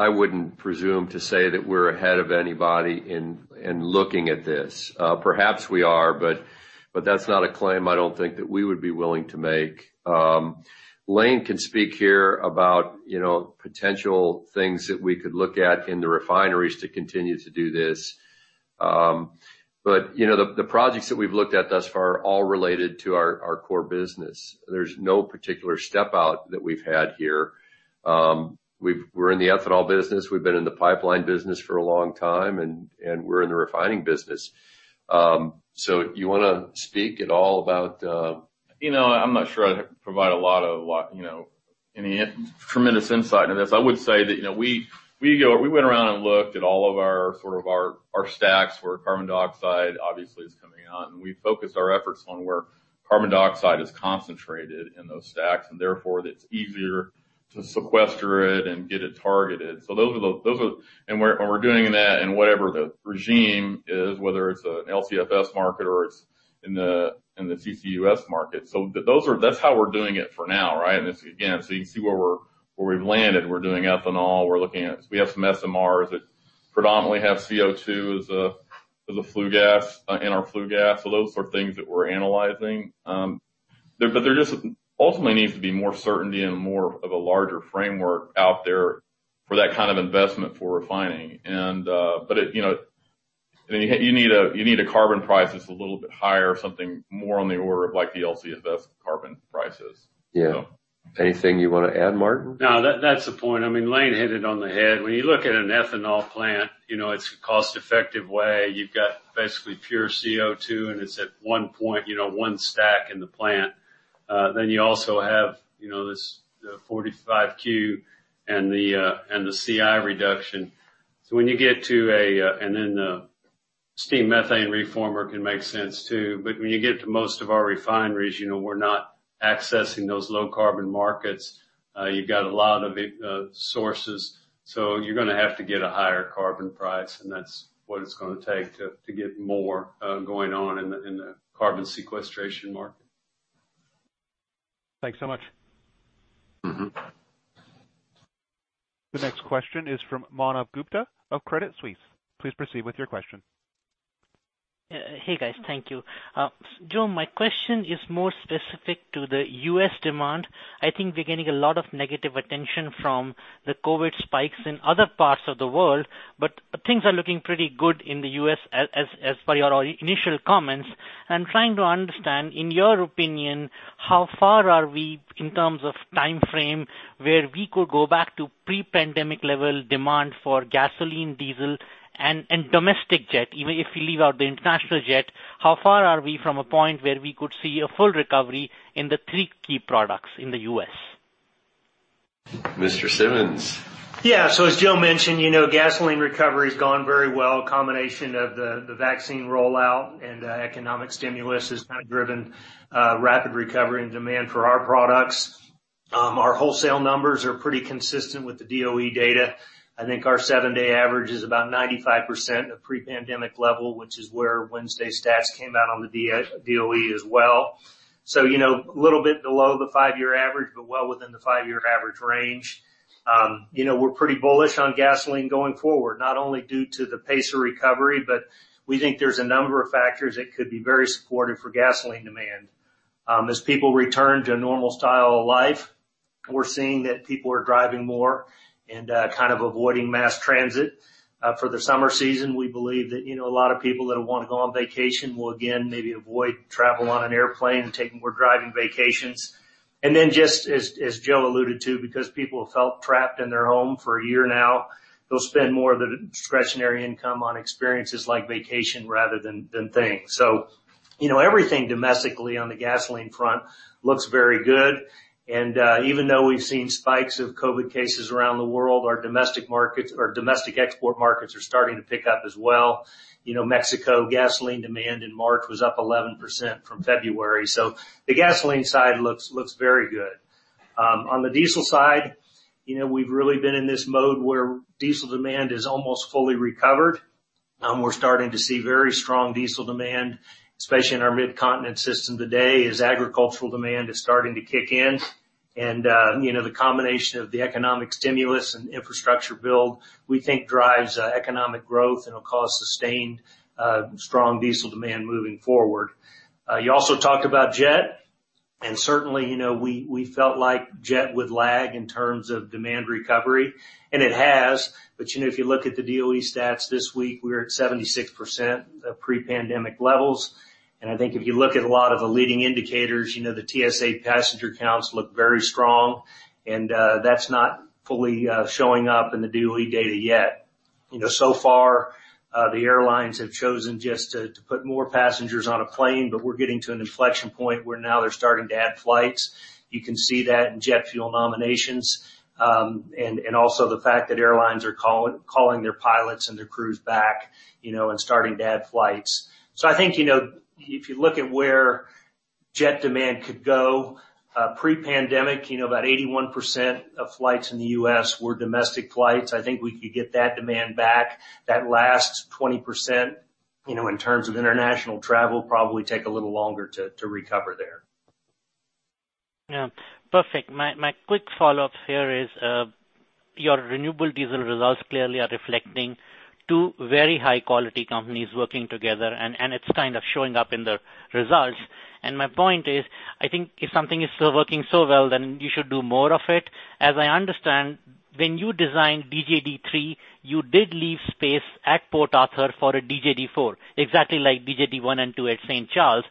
wouldn't presume to say that we're ahead of anybody in looking at this. Perhaps we are, but that's not a claim I don't think that we would be willing to make. Lane can speak here about potential things that we could look at in the refineries to continue to do this. The projects that we've looked at thus far are all related to our core business. There's no particular step out that we've had here. We're in the ethanol business, we've been in the pipeline business for a long time, and we're in the refining business. you want to speak at all about I'm not sure I provide any tremendous insight into this. I would say that we went around and looked at all of our stacks where carbon dioxide obviously is coming out, and we focused our efforts on where carbon dioxide is concentrated in those stacks, and therefore, it's easier to sequester it and get it targeted. We're doing that in whatever the regime is, whether it's an LCFS market or it's in the CCUS market. That's how we're doing it for now. Right? You can see where we've landed. We're doing ethanol. We have some SMRs that predominantly have CO2 as a flue gas, in our flue gas. Those are things that we're analyzing. There just ultimately needs to be more certainty and more of a larger framework out there for that kind of investment for refining. You need a carbon price that's a little bit higher, something more on the order of the LCFS carbon prices. Yeah. Anything you want to add, Martin? No, that's the point. Lane hit it on the head. You look at an ethanol plant, it's a cost-effective way. You've got basically pure CO2, and it's at one point, one stack in the plant. You also have this 45Q and the CI reduction. The steam methane reformer can make sense, too. When you get to most of our refineries, we're not accessing those low carbon markets. You've got a lot of sources. You're going to have to get a higher carbon price, and that's what it's going to take to get more going on in the carbon sequestration market. Thanks so much. The next question is from Manav Gupta of Credit Suisse. Please proceed with your question. Hey, guys. Thank you. Joe, my question is more specific to the U.S. demand. I think we're getting a lot of negative attention from the COVID spikes in other parts of the world, but things are looking pretty good in the U.S. as per your initial comments. I'm trying to understand, in your opinion, how far are we in terms of timeframe, where we could go back to pre-pandemic level demand for gasoline, diesel, and domestic jet, even if we leave out the international jet. How far are we from a point where we could see a full recovery in the three key products in the U.S.? Mr. Simmons. Yeah. As Joe mentioned, gasoline recovery has gone very well. A combination of the vaccine rollout and economic stimulus has kind of driven rapid recovery and demand for our products. Our wholesale numbers are pretty consistent with the DOE data. I think our seven-day average is about 95% of pre-pandemic level, which is where Wednesday stats came out on the DOE as well. A little bit below the five-year average, but well within the five-year average range. We're pretty bullish on gasoline going forward, not only due to the pace of recovery, but we think there's a number of factors that could be very supportive for gasoline demand. As people return to a normal style of life, we're seeing that people are driving more and kind of avoiding mass transit. For the summer season, we believe that a lot of people that want to go on vacation will again maybe avoid travel on an airplane and take more driving vacations. Just as Joe alluded to, because people felt trapped in their home for a year now, they'll spend more of the discretionary income on experiences like vacation rather than things. Everything domestically on the gasoline front looks very good. Even though we've seen spikes of COVID cases around the world, our domestic export markets are starting to pick up as well. Mexico gasoline demand in March was up 11% from February. The gasoline side looks very good. On the diesel side, we've really been in this mode where diesel demand is almost fully recovered. We're starting to see very strong diesel demand, especially in our Midcontinent system today as agricultural demand is starting to kick in. The combination of the economic stimulus and infrastructure build, we think drives economic growth and will cause sustained strong diesel demand moving forward. You also talked about jet. Certainly, we felt like jet would lag in terms of demand recovery, and it has. If you look at the DOE stats this week, we are at 76% of pre-pandemic levels. I think if you look at a lot of the leading indicators, the TSA passenger counts look very strong, and that's not fully showing up in the DOE data yet. So far, the airlines have chosen just to put more passengers on a plane, but we're getting to an inflection point where now they're starting to add flights. You can see that in jet fuel nominations. Also, the fact that airlines are calling their pilots and their crews back and starting to add flights. I think if you look at where jet demand could go pre-pandemic, about 81% of flights in the U.S. were domestic flights. I think we could get that demand back. That last 20%, in terms of international travel, probably take a little longer to recover there. Yeah. Perfect. My quick follow-up here is, your renewable diesel results clearly are reflecting two very high-quality companies working together, and it's kind of showing up in the results. My point is, I think if something is still working so well, you should do more of it. As I understand, when you designed DGD 3, you did leave space at Port Arthur for a DGD 4, exactly like DGD 1 and 2 at St. Charles.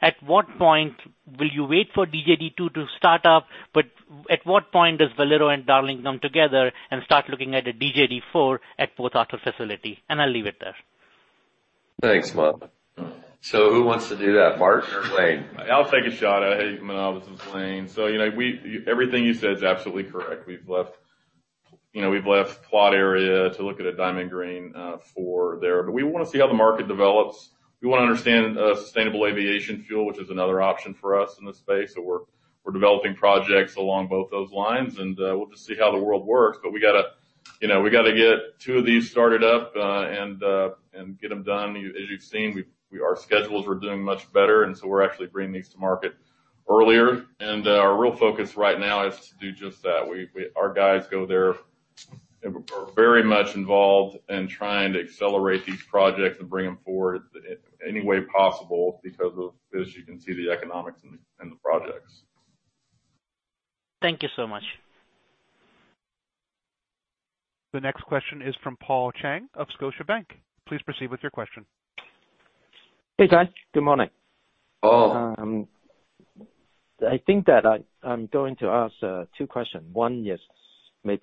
At what point will you wait for DGD 2 to start up? At what point does Valero and Darling come together and start looking at a DGD 4 at Port Arthur facility? I'll leave it there. Thanks, Manav. Who wants to do that, Martin or Lane? I'll take a shot at it. Manav, this is Lane. Everything you said is absolutely correct. We've left plot area to look at a Diamond Green 4 there. We want to see how the market develops. We want to understand sustainable aviation fuel, which is another option for us in this space. We're developing projects along both those lines, and we'll just see how the world works. We got to get two of these started up and get them done. As you've seen, our schedules are doing much better, we're actually bringing these to market earlier. Our real focus right now is to do just that. Our guys go there and are very much involved in trying to accelerate these projects and bring them forward any way possible because of this, you can see the economics in the projects. Thank you so much. The next question is from Paul Cheng of Scotiabank. Please proceed with your question. Hey, guys. Good morning. Paul. I think that I'm going to ask two questions. Have at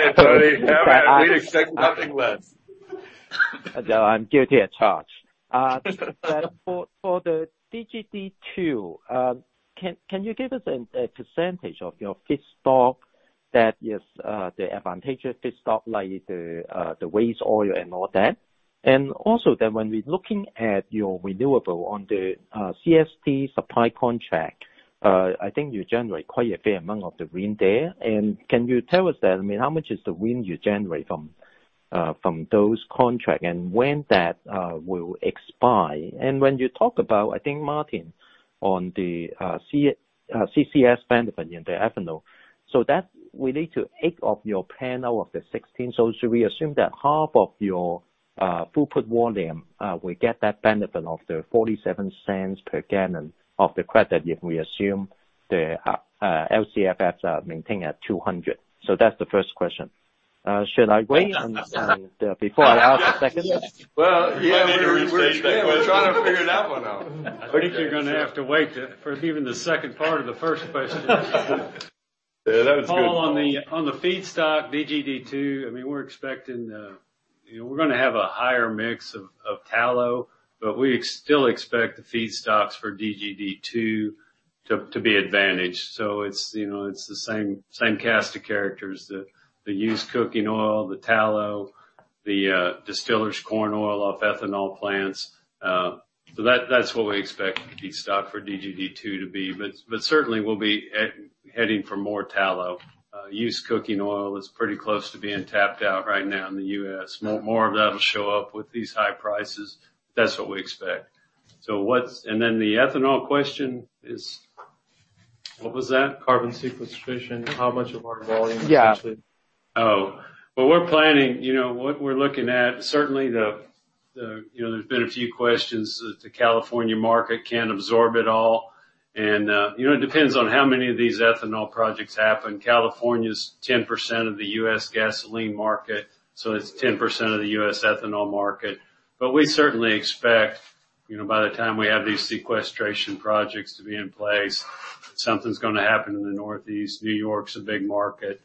it, buddy. Have at it. We expect nothing less. I'm guilty as charged. For the DGD 2, can you give us a percentage of your feedstock that is the advantageous feedstock, like the waste oil and all that? When we're looking at your renewable on the CST supply contract, I think you generate quite a fair amount of the RINs there. Can you tell us then, how much is the RINs you generate from those contract and when that will expire? When you talk about, I think, Martin, on the CCS benefit in the ethanol, that we need to eight of your plan out of the 16. Should we assume that half of your throughput volume will get that benefit of the $0.47 per gallon of the credit if we assume the LCFS are maintained at 200? That's the first question. Should I wait before I ask the second? Well. You might need to restage that one. We're trying to figure that one out. I think you're gonna have to wait for even the second part of the first question. Yeah, that was good. Paul, on the feedstock DGD 2, we're going to have a higher mix of tallow, but we still expect the feedstocks for DGD 2 to be advantaged. It's the same cast of characters, the used cooking oil, the tallow, the distillers' corn oil off ethanol plants. That's what we expect feedstock for DGD 2 to be, but certainly we'll be heading for more tallow. Used cooking oil is pretty close to being tapped out right now in the U.S. More of that will show up with these high prices. That's what we expect. The ethanol question is. What was that? Carbon sequestration? How much of our volume- Yeah Well, what we're looking at, certainly there's been a few questions that the California market can't absorb it all. It depends on how many of these ethanol projects happen. California's 10% of the U.S. gasoline market, so it's 10% of the U.S. ethanol market. We certainly expect, by the time we have these sequestration projects to be in place, something's going to happen in the Northeast. New York's a big market.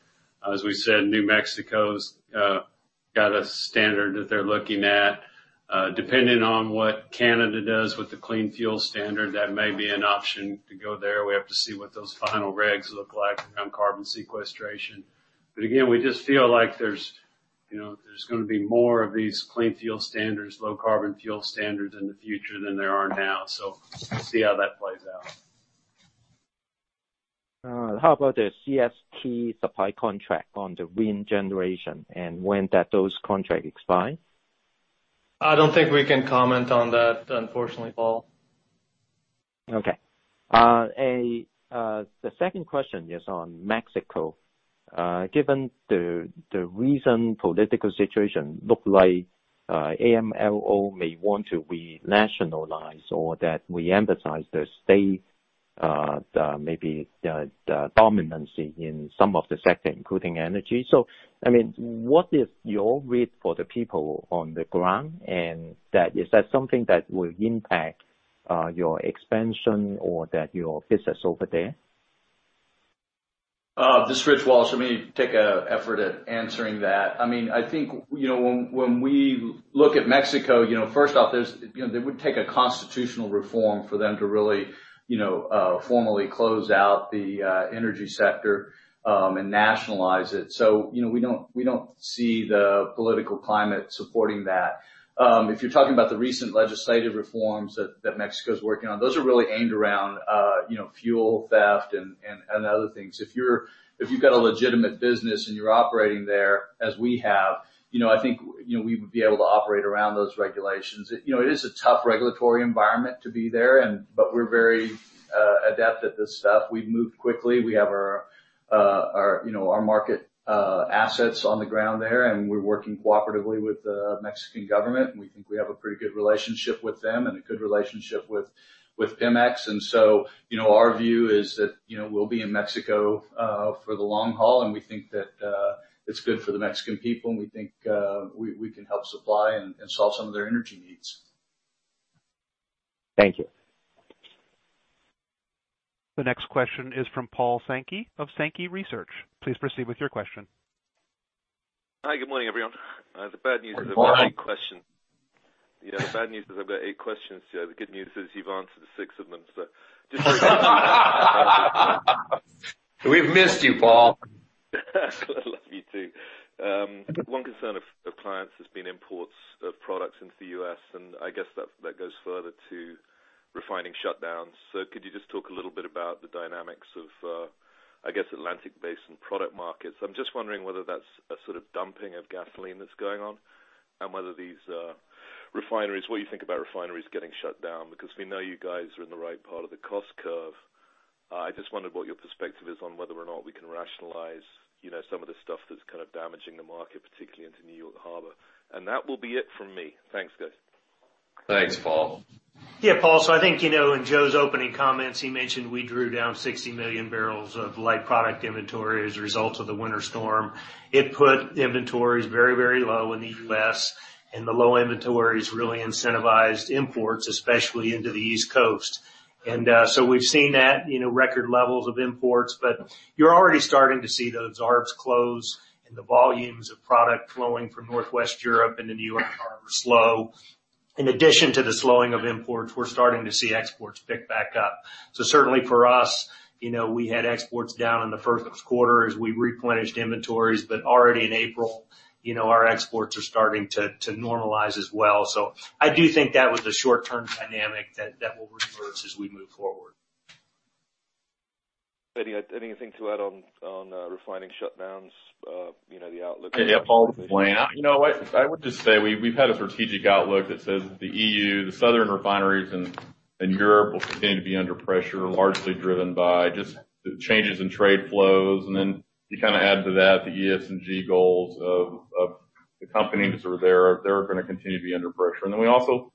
As we said, New Mexico's got a standard that they're looking at. Depending on what Canada does with the Clean Fuel Standard, that may be an option to go there. We have to see what those final regs look like around carbon sequestration. Again, we just feel like there's going to be more of these Clean Fuel Standards, Low Carbon Fuel Standards in the future than there are now. We'll see how that plays out. How about the CST supply contract on the RINs generation and when those contract expire? I don't think we can comment on that, unfortunately, Paul. Okay. The second question is on Mexico. Given the recent political situation, looks like AMLO may want to renationalize or reemphasize the state, maybe the dominance in some of the sector, including energy. What is your read for the people on the ground? Is that something that will impact your expansion or your business over there? This is Rich Walsh. Let me take a effort at answering that. I think when we look at Mexico, first off, it would take a constitutional reform for them to really, formally close out the energy sector and nationalize it. We don't see the political climate supporting that. If you're talking about the recent legislative reforms that Mexico's working on, those are really aimed around fuel theft and other things. If you've got a legitimate business and you're operating there, as we have, I think, we would be able to operate around those regulations. It is a tough regulatory environment to be there, but we're very adept at this stuff. We move quickly. We have our market assets on the ground there, and we're working cooperatively with the Mexican government, and we think we have a pretty good relationship with them and a good relationship with Pemex. Our view is that we'll be in Mexico for the long haul, and we think that it's good for the Mexican people, and we think we can help supply and solve some of their energy needs. Thank you. The next question is from Paul Sankey of Sankey Research. Please proceed with your question. Hi. Good morning, everyone. The bad news- Good morning. I've got eight questions. Yeah. The bad news is I've got eight questions. The good news is you've answered six of them. We've missed you, Paul. Love you too. One concern of clients has been imports of products into the U.S., and I guess that goes further to refining shutdowns. Could you just talk a little bit about the dynamics of, I guess, Atlantic Basin product markets? I'm just wondering whether that's a sort of dumping of gasoline that's going on and whether what you think about refineries getting shut down, because we know you guys are in the right part of the cost curve. I just wondered what your perspective is on whether or not we can rationalize some of the stuff that's kind of damaging the market, particularly into New York Harbor. That will be it from me. Thanks, guys. Thanks, Paul. Yeah, Paul. I think, in Joe's opening comments, he mentioned we drew down 60 million barrels of light product inventory as a result of the winter storm. It put inventories very, very low in the U.S., and the low inventories really incentivized imports, especially into the East Coast. We've seen that, record levels of imports, but you're already starting to see those arbs close and the volumes of product flowing from Northwest Europe into New York Harbor slow. In addition to the slowing of imports, we're starting to see exports pick back up. Certainly for us, we had exports down in the first quarter as we replenished inventories. Already in April, our exports are starting to normalize as well. I do think that was a short-term dynamic that will reverse as we move forward. Lane, anything to add on refining shutdowns, the outlook. Yeah. Paul, this is Lane. You know what? I would just say we've had a strategic outlook that says the EU, the southern refineries in Europe will continue to be under pressure, largely driven by just the changes in trade flows. You kind of add to that the ESG goals of the companies who are there, they're going to continue to be under pressure. We also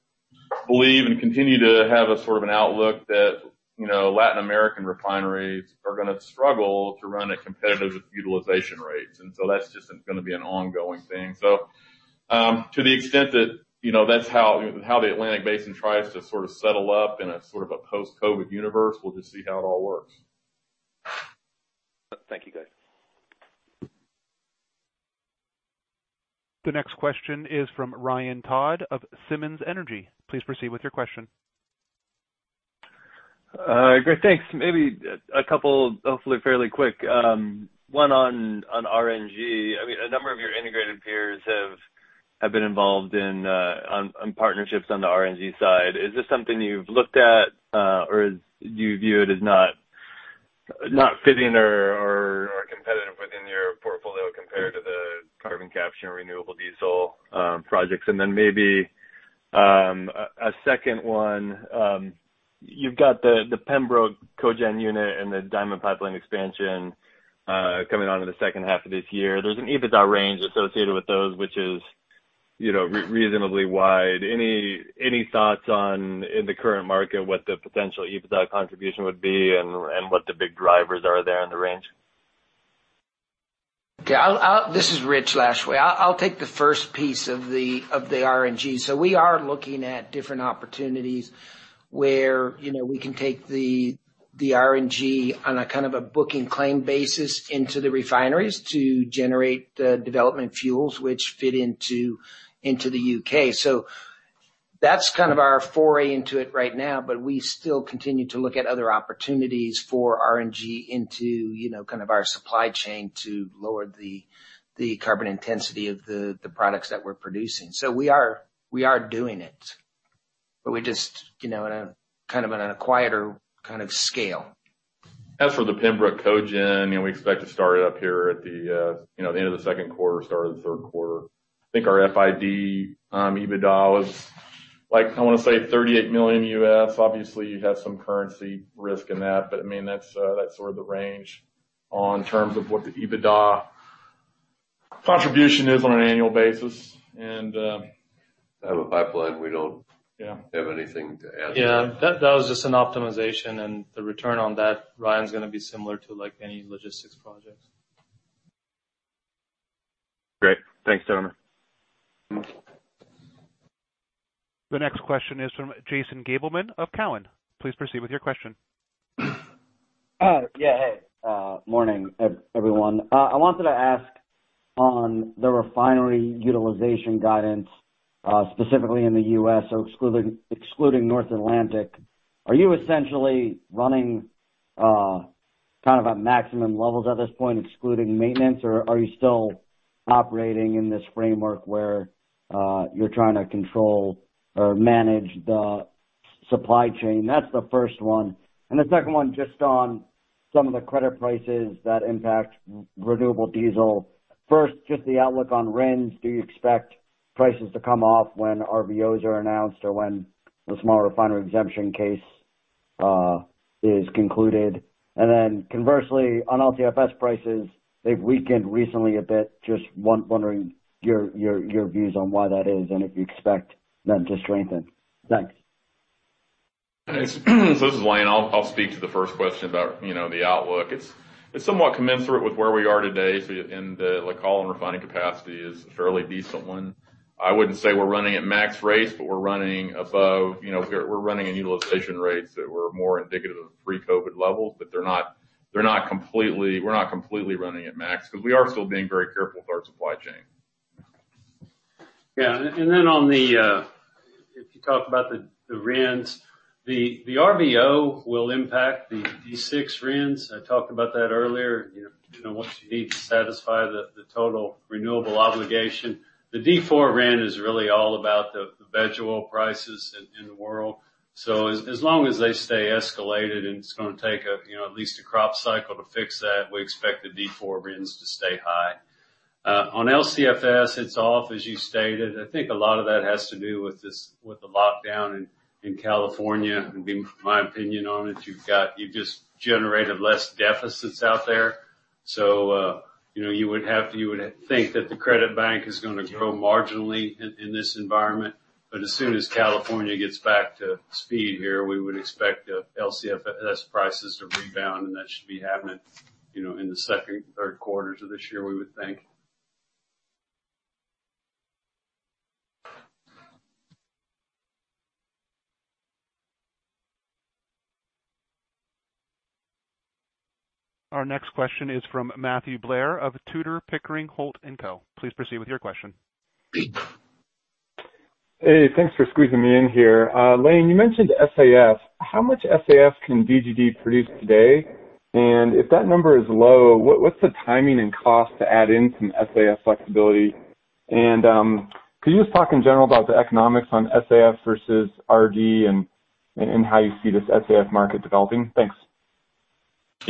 believe and continue to have a sort of an outlook that Latin American refineries are gonna struggle to run at competitive utilization rates. That's just going to be an ongoing thing. To the extent that that's how the Atlantic Basin tries to sort of settle up in a sort of a post-COVID universe, we'll just see how it all works. Thank you, guys. The next question is from Ryan Todd of Simmons Energy. Please proceed with your question. Great. Thanks. Maybe a couple, hopefully fairly quick. One on RNG. A number of your integrated peers have been involved in partnerships on the RNG side. Is this something you've looked at? Or do you view it as not fitting or competitive within your portfolio compared to the carbon capture and renewable diesel projects? A second one. You've got the Pembroke Cogeneration Unit and the Diamond Pipeline expansion coming on in the second half of this year. There's an EBITDA range associated with those, which is reasonably wide. Any thoughts on, in the current market, what the potential EBITDA contribution would be and what the big drivers are there in the range? This is Rich Lashway. I'll take the first piece of the RNG. We are looking at different opportunities where we can take the RNG on a kind of a book-and-claim basis into the refineries to generate the development fuels which fit into the U.K. That's kind of our foray into it right now, but we still continue to look at other opportunities for RNG into kind of our supply chain to lower the carbon intensity of the products that we're producing. We are doing it, but we just, in a kind of on a quieter kind of scale. As for the Pembroke Cogen, we expect to start it up here at the end of the second quarter, start of the third quarter. I think our FID on EBITDA was like, I want to say $38 million U.S. Obviously, you have some currency risk in that, but I mean, that's sort of the range on terms of what the EBITDA contribution is on an annual basis. The pipeline, we don't- Yeah have anything to add. Yeah. That was just an optimization and the return on that, Ryan, is going to be similar to any logistics project. Great. Thanks, gentlemen. The next question is from Jason Gabelman of Cowen. Please proceed with your question. Yeah. Hey, morning everyone. I wanted to ask on the refinery utilization guidance, specifically in the U.S., so excluding North Atlantic, are you essentially running kind of at maximum levels at this point, excluding maintenance, or are you still operating in this framework where you're trying to control or manage the supply chain? That's the first one. The second one, just on some of the credit prices that impact renewable diesel. First, just the outlook on RINs. Do you expect prices to come off when RVOs are announced or when the small refinery exemption case is concluded? Conversely, on LCFS prices, they've weakened recently a bit. I'm just wondering your views on why that is and if you expect them to strengthen. Thanks. This is Lane. I'll speak to the first question about the outlook. It's somewhat commensurate with where we are today in there is a call on refining capacity is a fairly decent one. I wouldn't say we're running at max rates, but we're running above, we're running at utilization rates that were more indicative of pre-COVID levels. We're not completely running at max because we are still being very careful with our supply chain. Yeah. If you talk about the RINs, the RVO will impact the D6 RINs. I talked about that earlier. Once you need to satisfy the total renewable obligation. The D4 RIN is really all about the veg oil prices in the world. As long as they stay escalated, and it's going to take at least a crop cycle to fix that, we expect the D4 RINs to stay high. On LCFS, it's off, as you stated. I think a lot of that has to do with the lockdown in California. It would be my opinion on it. You've just generated less deficits out there. You would think that the credit bank is going to grow marginally in this environment. As soon as California gets back to speed here, we would expect LCFS prices to rebound, and that should be happening in the second, third quarters of this year, we would think. Our next question is from Matthew Blair of Tudor, Pickering, Holt & Co. Please proceed with your question. Hey, thanks for squeezing me in here. Lane, you mentioned SAF. How much SAF can DGD produce today? If that number is low, what's the timing and cost to add in some SAF flexibility? Could you just talk in general about the economics on SAF versus RD and how you see this SAF market developing? Thanks.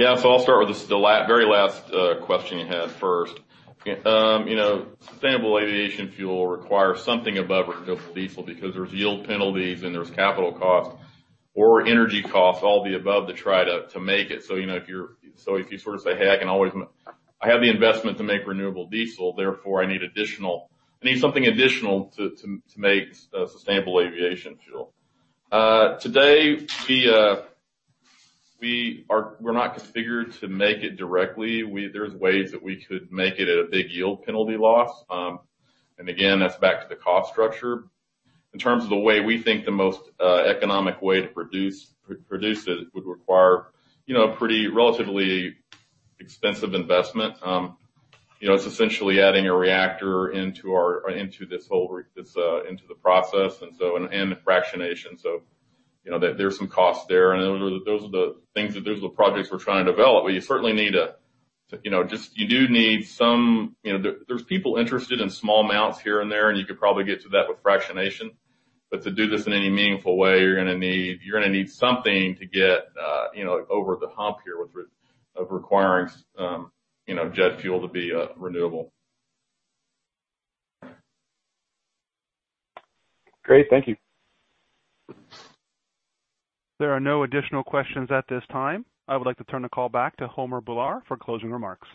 I'll start with the very last question you had first. Sustainable aviation fuel requires something above renewable diesel because there's yield penalties and there's capital costs or energy costs all the above to try to make it. If you say, hey, I have the investment to make renewable diesel, therefore I need something additional to make sustainable aviation fuel. Today, we're not configured to make it directly. There's ways that we could make it at a big yield penalty loss. Again, that's back to the cost structure. In terms of the way we think the most economic way to produce it would require a pretty relatively expensive investment. It's essentially adding a reactor into the process and fractionation. There's some costs there, and those are the projects we're trying to develop. There's people interested in small amounts here and there, and you could probably get to that with fractionation. To do this in any meaningful way, you're going to need something to get over the hump here of requiring jet fuel to be renewable. Great. Thank you. There are no additional questions at this time. I would like to turn the call back to Homer Bhullar for closing remarks.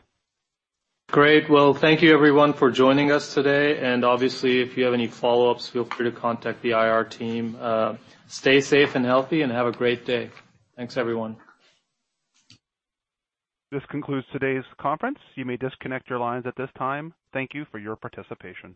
Great. Well, thank you everyone for joining us today, and obviously, if you have any follow-ups, feel free to contact the IR team. Stay safe and healthy and have a great day. Thanks, everyone. This concludes today's conference. You may disconnect your lines at this time. Thank you for your participation.